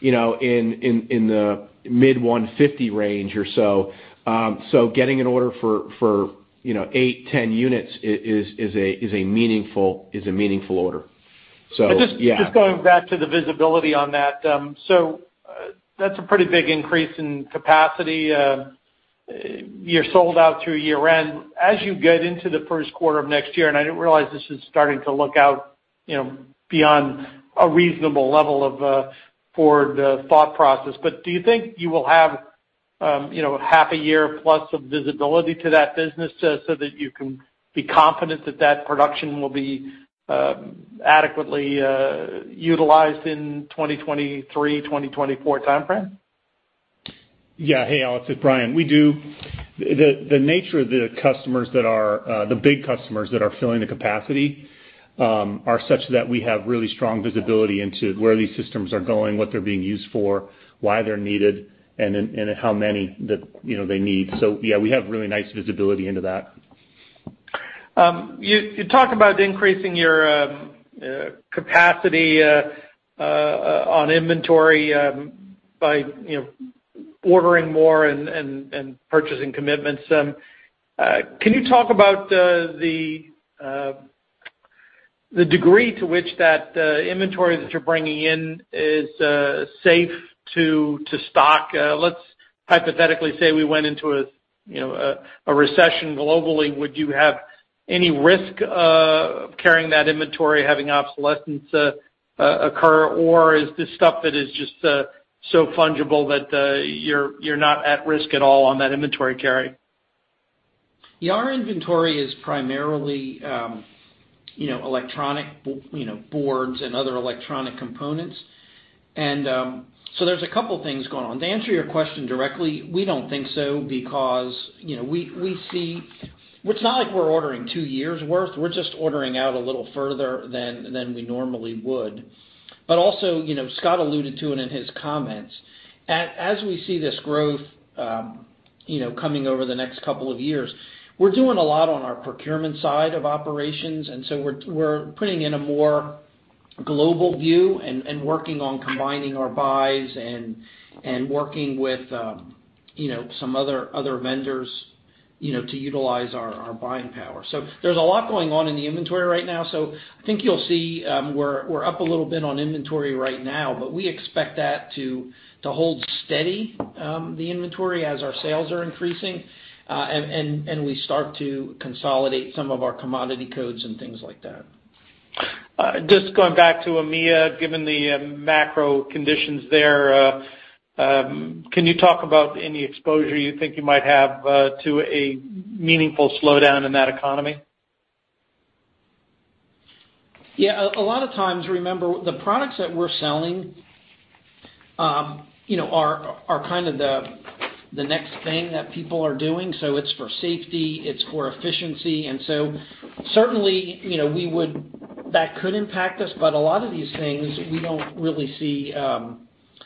you know, in the mid-$150 range or so. Getting an order for eight, 10 units is a meaningful order. Just going back to the visibility on that. That's a pretty big increase in capacity. You're sold out through year-end. As you get into the first quarter of next year, and I didn't realize this is starting to look out, you know, beyond a reasonable level of, for the thought process. Do you think you will have, you know, half a year plus of visibility to that business so that you can be confident that that production will be adequately utilized in 2023, 2024 timeframe? Yeah. Hey, Alex, it's Brian. We do. The nature of the customers that are the big customers that are filling the capacity are such that we have really strong visibility into where these systems are going, what they're being used for, why they're needed, and then and how many that, you know, they need. Yeah, we have really nice visibility into that. You talk about increasing your capacity on inventory by, you know, ordering more and purchasing commitments. Can you talk about the degree to which that inventory that you're bringing in is safe to stock? Let's hypothetically say we went into a, you know, a recession globally, would you have any risk carrying that inventory having obsolescence occur? Or is this stuff that is just so fungible that you're not at risk at all on that inventory carry? Yeah, our inventory is primarily, you know, electronic boards and other electronic components. There's a couple things going on. To answer your question directly, we don't think so because, you know, we see. It's not like we're ordering two years' worth. We're just ordering out a little further than we normally would. Also, you know, Scott alluded to it in his comments. As we see this growth, you know, coming over the next couple of years, we're doing a lot on our procurement side of operations, and so we're putting in a more global view and working on combining our buys and working with, you know, some other vendors, you know, to utilize our buying power. There's a lot going on in the inventory right now. I think you'll see we're up a little bit on inventory right now, but we expect that to hold steady, the inventory as our sales are increasing, and we start to consolidate some of our commodity codes and things like that. Just going back to EMEA, given the macro conditions there, can you talk about any exposure you think you might have to a meaningful slowdown in that economy? Yeah. A lot of times, remember, the products that we're selling, you know, are kind of the next thing that people are doing, so it's for safety, it's for efficiency. Certainly, you know, that could impact us, but a lot of these things, we don't really see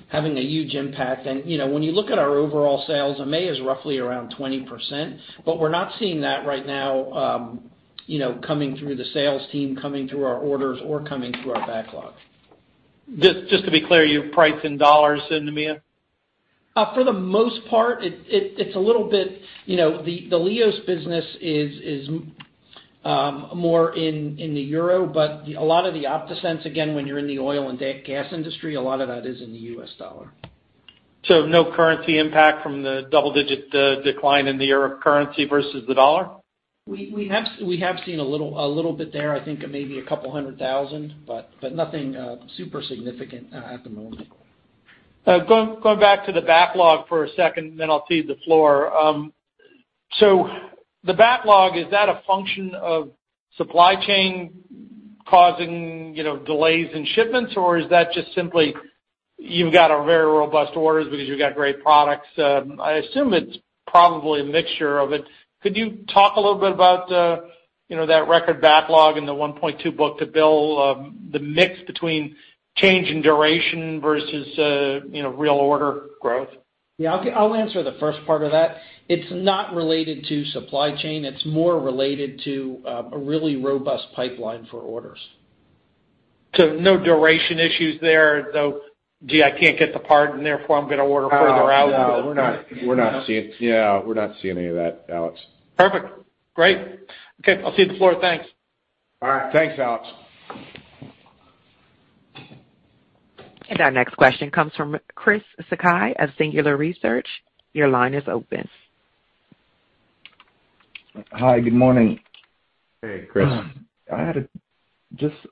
having a huge impact. You know, when you look at our overall sales, EMEA is roughly around 20%, but we're not seeing that right now, you know, coming through the sales team, coming through our orders or coming through our backlog. Just to be clear, you price in dollars in EMEA? For the most part, it's a little bit. You know, the LIOS business is more in the euro, but a lot of the OptaSense, again, when you're in the oil and gas industry, a lot of that is in the US dollar. No currency impact from the double-digit decline in the euro currency versus the dollar? We have seen a little bit there, I think maybe a couple hundred thousand, but nothing super significant at the moment. Going back to the backlog for a second, and then I'll cede the floor. The backlog, is that a function of supply chain causing, you know, delays in shipments, or is that just simply you've got a very robust orders because you've got great products? I assume it's probably a mixture of it. Could you talk a little bit about, you know, that record backlog and the 1.2 book-to-bill, the mix between change in duration versus, you know, real order growth? Yeah. I'll answer the first part of that. It's not related to supply chain. It's more related to a really robust pipeline for orders. No duration issues there, the, "Gee, I can't get the part, and therefore I'm gonna order further out"? No, we're not seeing any of that, Alex. Perfect. Great. Okay, I'll cede the floor. Thanks. All right. Thanks, Alex. Our next question comes from Chris Sakai at Singular Research. Your line is open. Hi. Good morning. Hey, Chris. I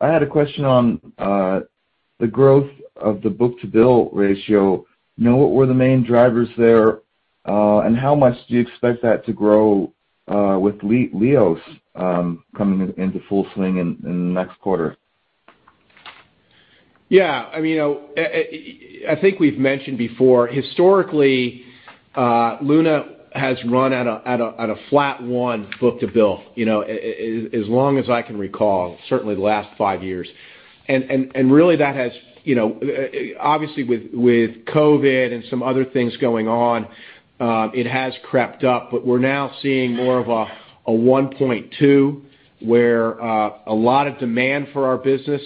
had a question on the growth of the book to bill ratio. You know, what were the main drivers there, and how much do you expect that to grow with LIOS coming into full swing in the next quarter? Yeah. I mean, you know, I think we've mentioned before, historically, Luna has run at a flat 1 book to bill, you know, as long as I can recall, certainly the last five years. Really that has, you know, obviously with COVID and some other things going on, it has crept up, but we're now seeing more of a 1.2, where a lot of demand for our business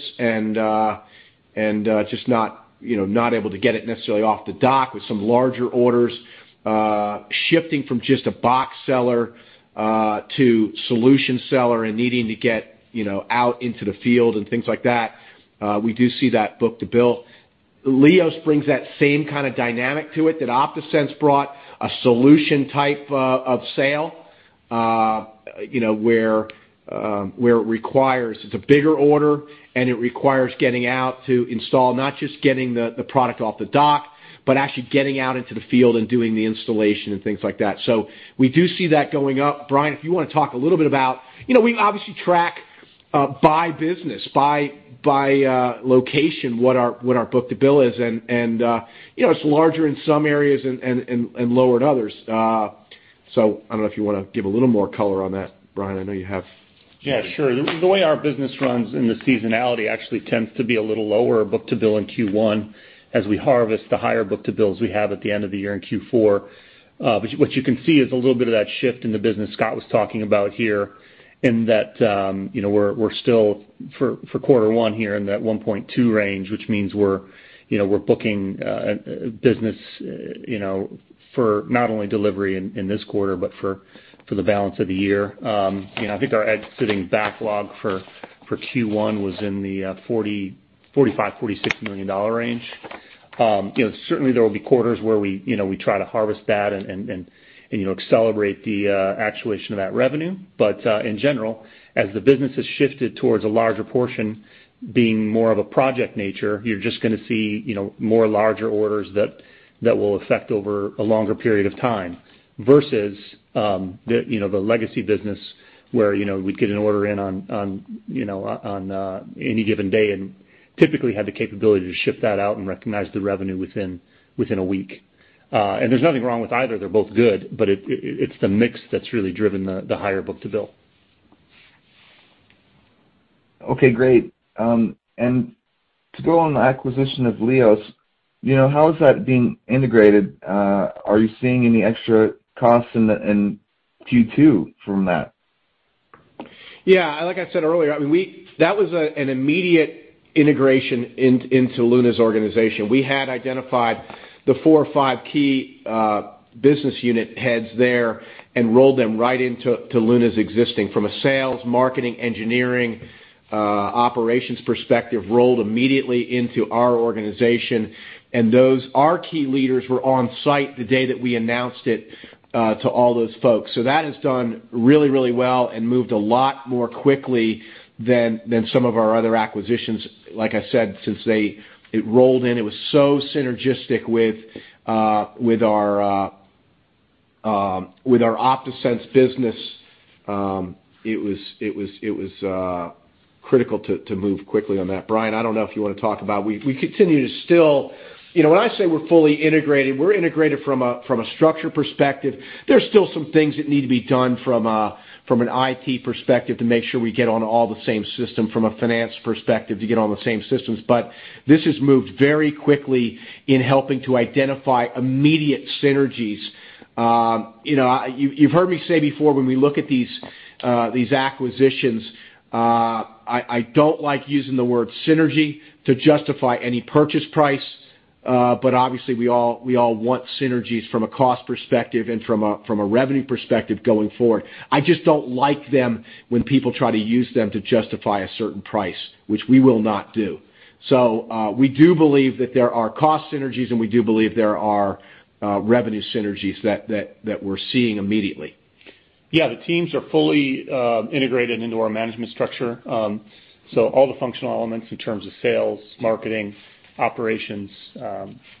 and just not, you know, not able to get it necessarily off the dock with some larger orders, shifting from just a box seller to solution seller and needing to get, you know, out into the field and things like that. We do see that book-to-bill LIOS brings that same kind of dynamic to it that OptaSense brought, a solution type of sale, you know, where it requires, it's a bigger order, and it requires getting out to install. Not just getting the product off the dock but actually getting out into the field and doing the installation and things like that. We do see that going up. Brian, if you wanna talk a little bit about. You know, we obviously track by business, by location what our book-to-bill is and, you know, it's larger in some areas and lower in others. So I don't know if you wanna give a little more color on that, Brian, I know you have. Yeah, sure. The way our business runs and the seasonality actually tends to be a little lower book-to-bill in Q1 as we harvest the higher book-to-bills we have at the end of the year in Q4. What you can see is a little bit of that shift in the business Scott was talking about here in that, you know, we're still for quarter one here in that 1.2 range, which means we're, you know, we're booking business, you know, for not only delivery in this quarter, but for the balance of the year. You know, I think our exiting backlog for Q1 was in the $40 million-$46 million range. You know, certainly there will be quarters where we, you know, we try to harvest that and, you know, accelerate the actuation of that revenue. In general, as the business has shifted towards a larger portion being more of a project nature, you're just gonna see, you know, more larger orders that will affect over a longer period of time versus the, you know, the legacy business where, you know, we'd get an order in on, you know, on any given day and typically had the capability to ship that out and recognize the revenue within a week. There's nothing wrong with either. They're both good, but it's the mix that's really driven the higher book-to-bill. Okay, great. To go on the acquisition of LIOS, you know, how is that being integrated? Are you seeing any extra costs in Q2 from that? Yeah. Like I said earlier, that was an immediate integration into Luna's organization. We had identified the four or five key business unit heads there and rolled them right into Luna's existing from a sales, marketing, engineering, operations perspective, rolled immediately into our organization. Those key leaders were on site the day that we announced it to all those folks. That has done really well and moved a lot more quickly than some of our other acquisitions. Like I said, since it rolled in, it was so synergistic with our OptaSense business. It was critical to move quickly on that. Brian, I don't know if you wanna talk about we continue to still. You know, when I say we're fully integrated, we're integrated from a structure perspective. There's still some things that need to be done from an IT perspective to make sure we get on all the same system, from a finance perspective to get on the same systems. This has moved very quickly in helping to identify immediate synergies. You know, you've heard me say before when we look at these acquisitions, I don't like using the word synergy to justify any purchase price, but obviously we all want synergies from a cost perspective and from a revenue perspective going forward. I just don't like them when people try to use them to justify a certain price, which we will not do. We do believe that there are cost synergies, and we do believe there are revenue synergies that we're seeing immediately. Yeah. The teams are fully integrated into our management structure. All the functional elements in terms of sales, marketing, operations,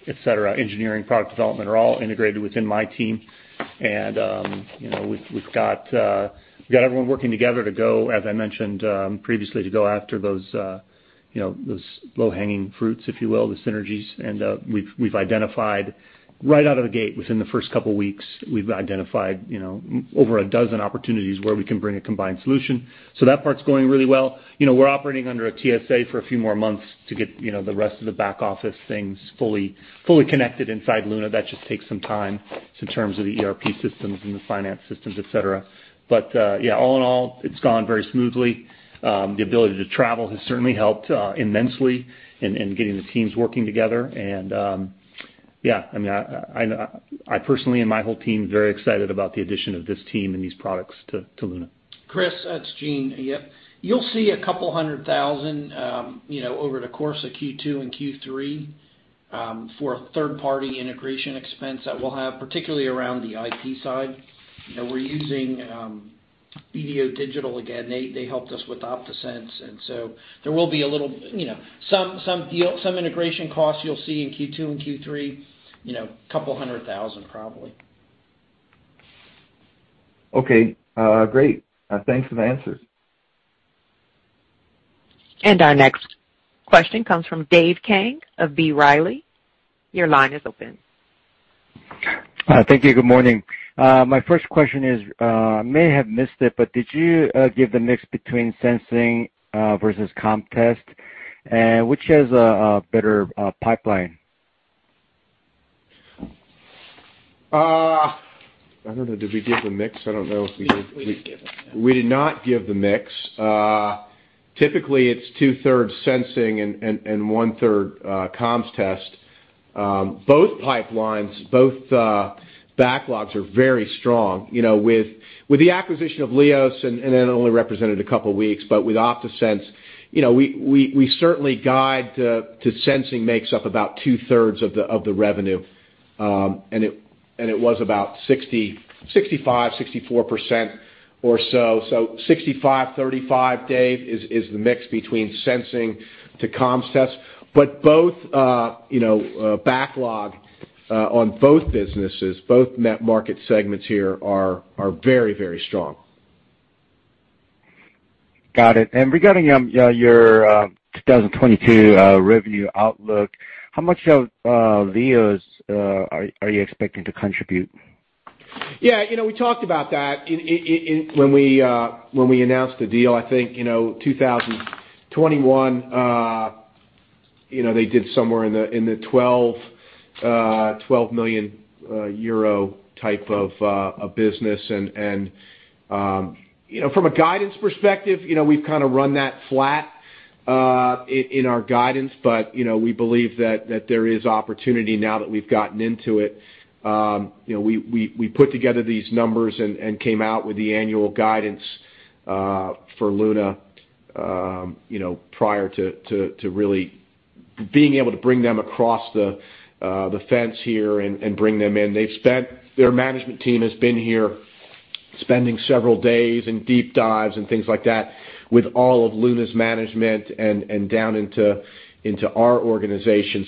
et cetera, engineering, product development are all integrated within my team. You know, we've got everyone working together to go, as I mentioned, previously, to go after those, you know, those low-hanging fruits, if you will, the synergies. We've identified right out of the gate within the first couple weeks, you know, over a dozen opportunities where we can bring a combined solution. That part's going really well. You know, we're operating under a TSA for a few more months to get, you know, the rest of the back-office things fully connected inside Luna. That just takes some time in terms of the ERP systems and the finance systems, et cetera. Yeah, all in all, it's gone very smoothly. The ability to travel has certainly helped immensely in getting the teams working together. I mean, I personally and my whole team is very excited about the addition of this team and these products to Luna. Chris, it's Gene. Yep, you'll see a couple hundred thousand, you know, over the course of Q2 and Q3, for a third-party integration expense that we'll have, particularly around the IT side. You know, we're using BDO Digital again. They helped us with OptaSense. There will be a little, you know, some integration costs you'll see in Q2 and Q3, you know, couple hundred thousand probably. Okay. Great. Thanks for the answers. Our next question comes from Dave Kang of B. Riley. Your line is open. Thank you. Good morning. My first question is, may have missed it, but did you give the mix between sensing versus comm test? Which has a better pipeline? I don't know. Did we give the mix? I don't know if we gave We didn't give it. We did not give the mix. Typically, it's 2/3 sensing and 1/3 comms test. Both pipelines, both backlogs are very strong. With the acquisition of LIOS, and it only represented a couple weeks, but with OptaSense, we certainly guide to sensing makes up about two-thirds of the revenue. And it was about 65%, 64% or so. So 65/35, Dave, is the mix between sensing to comms test. Both backlog on both businesses, both end-market segments here are very strong. Got it. Regarding, yeah, your 2022 revenue outlook, how much of LIOS are you expecting to contribute? Yeah, you know, we talked about that in when we announced the deal. I think, you know, 2021, you know, they did somewhere in the 12 million euro type of a business. From a guidance perspective, you know, we've kinda run that flat in our guidance. You know, we believe that there is opportunity now that we've gotten into it. You know, we put together these numbers and came out with the annual guidance for Luna, you know, prior to really being able to bring them across the fence here and bring them in. Their management team has been here spending several days in deep dives and things like that with all of Luna's management and down into our organization.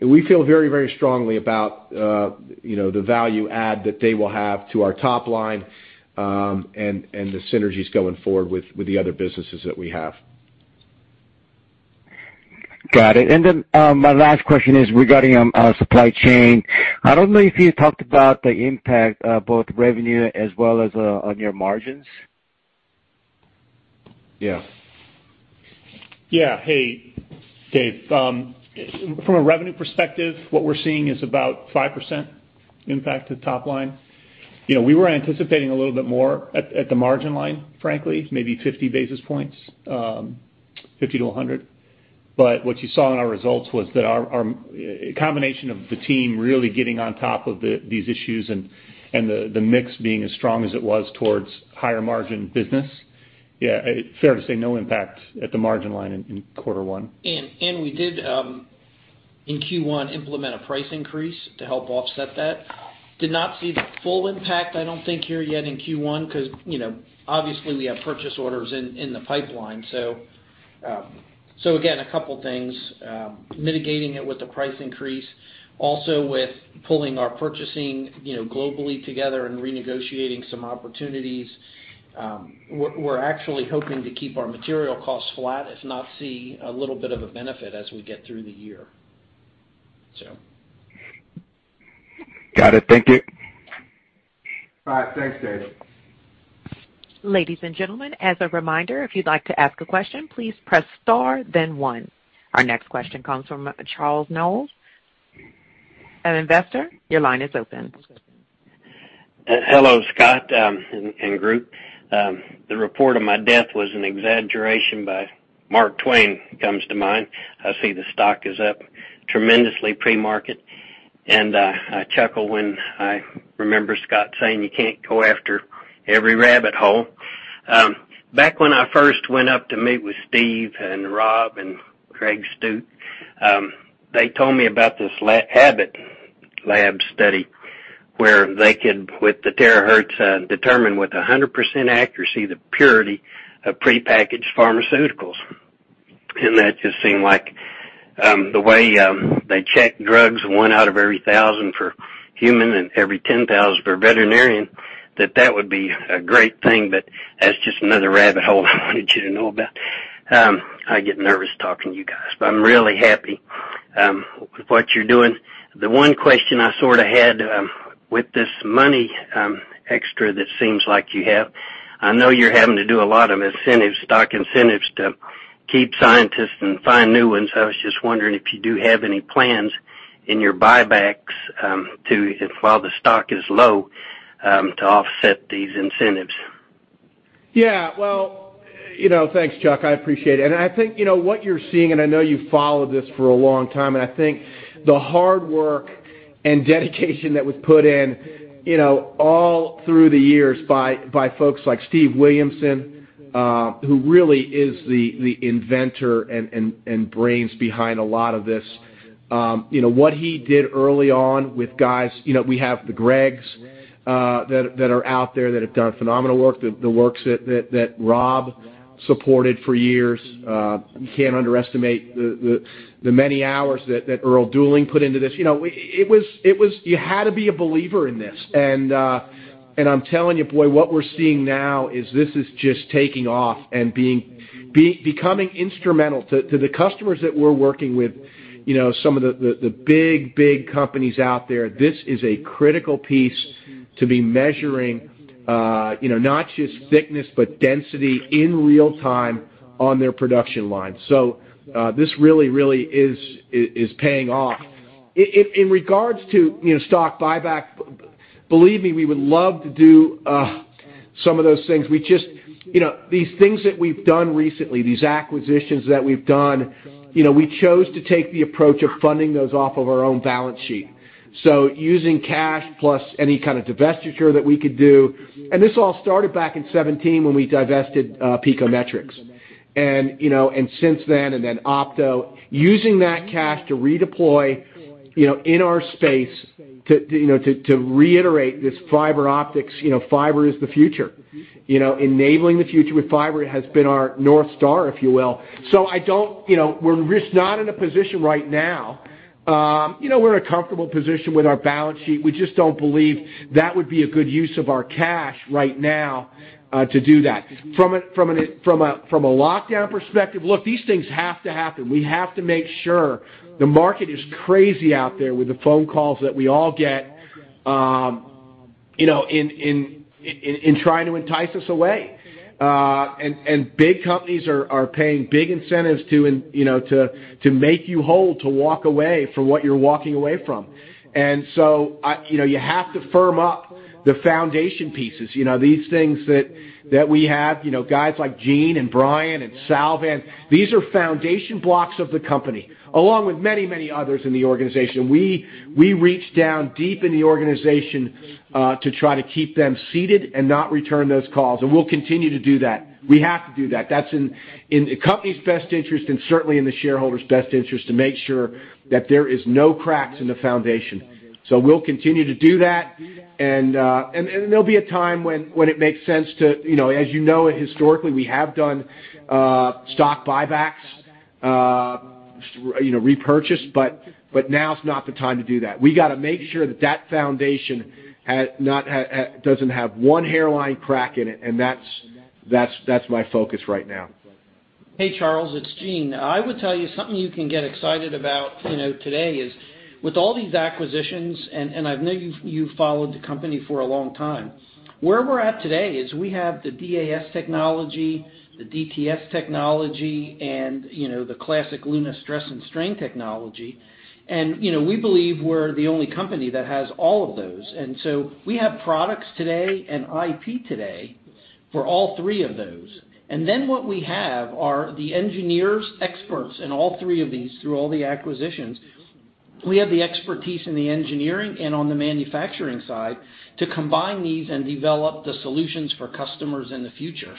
We feel very, very strongly about, you know, the value add that they will have to our top line, and the synergies going forward with the other businesses that we have. Got it. My last question is regarding supply chain. I don't know if you talked about the impact of both revenue as well as on your margins. Yeah. Yeah. Hey, Dave. From a revenue perspective, what we're seeing is about 5% impact to the top line. You know, we were anticipating a little bit more at the margin line, frankly, maybe 50 basis points, 50 to 100. What you saw in our results was that our combination of the team really getting on top of these issues and the mix being as strong as it was towards higher margin business. Yeah, fair to say, no impact at the margin line in quarter one. We did in Q1 implement a price increase to help offset that. Did not see the full impact, I don't think, here yet in Q1, 'cause, you know, obviously we have purchase orders in the pipeline. So again, a couple things mitigating it with the price increase, also with pulling our purchasing, you know, globally together and renegotiating some opportunities, we're actually hoping to keep our material costs flat, if not see a little bit of a benefit as we get through the year. Got it. Thank you. All right. Thanks, Dave. Ladies and gentlemen, as a reminder, if you'd like to ask a question, please press star then one. Our next question comes from Charles Knowles, an investor. Your line is open. Hello, Scott, and group. "The report of my death was an exaggeration" by Mark Twain comes to mind. I see the stock is up tremendously pre-market. I chuckle when I remember Scott saying you can't go after every rabbit hole. Back when I first went up to meet with Steve and Rob and Greg, they told me about this Abbott Labs study where they could, with the Terahertz, determine with 100% accuracy the purity of prepackaged pharmaceuticals. That just seemed like the way they check drugs, one out of every 1,000 for human and every 10,000 for veterinarian, that would be a great thing. That's just another rabbit hole I wanted you to know about. I get nervous talking to you guys, but I'm really happy with what you're doing. The one question I sorta had with this money extra that seems like you have. I know you're having to do a lot of incentive stock incentives to keep scientists and find new ones. I was just wondering if you do have any plans in your buybacks to, if while the stock is low, to offset these incentives. Yeah. Well, you know, thanks, Chuck. I appreciate it. I think, you know, what you're seeing, and I know you followed this for a long time, and I think the hard work and dedication that was put in, you know, all through the years by folks like Steve Williamson, who really is the inventor and brains behind a lot of this. You know, what he did early on with guys, you know, we have the Gregs that are out there that have done phenomenal work. The works that Rob supported for years. You can't underestimate the many hours that Irl Duling put into this. You know, it was. You had to be a believer in this. I'm telling you, boy, what we're seeing now is this is just taking off and becoming instrumental to the customers that we're working with, you know, some of the big companies out there, this is a critical piece to be measuring, not just thickness, but density in real time on their production line. This really is paying off. In regards to, you know, stock buyback, believe me, we would love to do some of those things. We just, you know, these things that we've done recently, these acquisitions that we've done, you know, we chose to take the approach of funding those off of our own balance sheet, using cash plus any kind of divestiture that we could do. This all started back in 2017 when we divested Picometrix. You know, since then OptaSense. Using that cash to redeploy, you know, in our space to, you know, to reiterate this fiber optics, you know, fiber is the future. You know, enabling the future with fiber has been our North Star, if you will. I don't, you know, we're just not in a position right now. You know, we're in a comfortable position with our balance sheet. We just don't believe that would be a good use of our cash right now, to do that. From a lockdown perspective, look, these things have to happen. We have to make sure the market is crazy out there with the phone calls that we all get, you know, in trying to entice us away. Big companies are paying big incentives to, you know, to make you whole, to walk away from what you're walking away from. You know, you have to firm up the foundation pieces, you know, these things that we have, you know, guys like Gene and Brian and Salvan, these are foundation blocks of the company, along with many others in the organization. We reach down deep in the organization to try to keep them seated and not return those calls, and we'll continue to do that. We have to do that. That's in the company's best interest and certainly in the shareholders' best interest to make sure that there is no cracks in the foundation. We'll continue to do that. There'll be a time when it makes sense to, you know, as you know, historically, we have done stock buybacks, you know, repurchase, but now's not the time to do that. We gotta make sure that foundation doesn't have one hairline crack in it, and that's my focus right now. Hey, Charles, it's Gene. I would tell you something you can get excited about, you know, today is with all these acquisitions, and I know you've followed the company for a long time. Where we're at today is we have the DAS technology, the DTS technology and, you know, the classic Luna stress and strain technology. You know, we believe we're the only company that has all of those. So we have products today and IP today for all three of those. Then what we have are the engineers, experts in all three of these through all the acquisitions. We have the expertise in the engineering and on the manufacturing side to combine these and develop the solutions for customers in the future.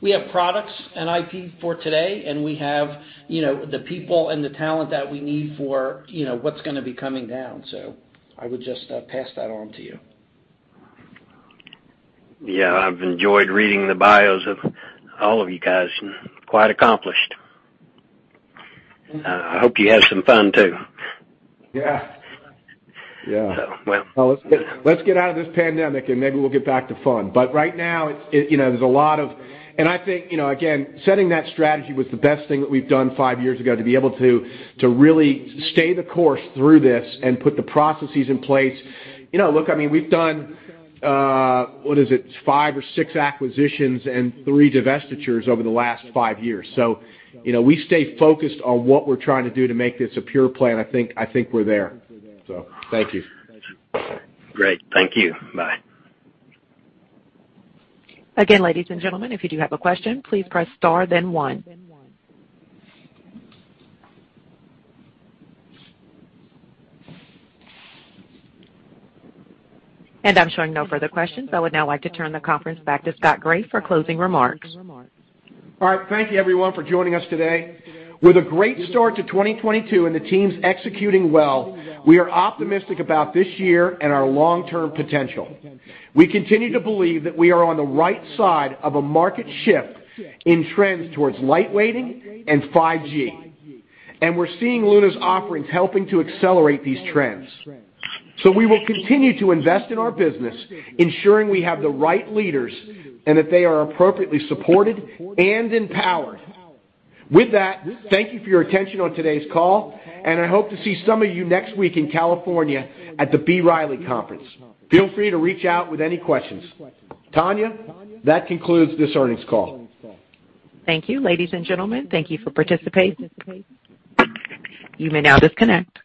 We have products and IP for today, and we have, you know, the people and the talent that we need for, you know, what's gonna be coming down. I would just pass that on to you. Yeah. I've enjoyed reading the bios of all of you guys, quite accomplished. I hope you had some fun too. Yeah. Yeah. Well. Let's get out of this pandemic, and maybe we'll get back to fun. Right now, you know. I think, you know, again, setting that strategy was the best thing that we've done five years ago to really stay the course through this and put the processes in place. You know, look, I mean, we've done what is it? Five or six acquisitions and three divestitures over the last five years. You know, we stay focused on what we're trying to do to make this a pure play, and I think we're there. Thank you. Great. Thank you. Bye. Again, ladies and gentlemen, if you do have a question, please press star then one. I'm showing no further questions. I would now like to turn the conference back to Scott Graeff for closing remarks. All right. Thank you everyone for joining us today. With a great start to 2022 and the teams executing well, we are optimistic about this year and our long-term potential. We continue to believe that we are on the right side of a market shift in trends towards lightweighting and 5G. We're seeing Luna's offerings helping to accelerate these trends. We will continue to invest in our business, ensuring we have the right leaders and that they are appropriately supported and empowered. With that, thank you for your attention on today's call, and I hope to see some of you next week in California at the B. Riley conference. Feel free to reach out with any questions. Tanya, that concludes this earnings call. Thank you. Ladies and gentlemen, thank you for participating. You may now disconnect.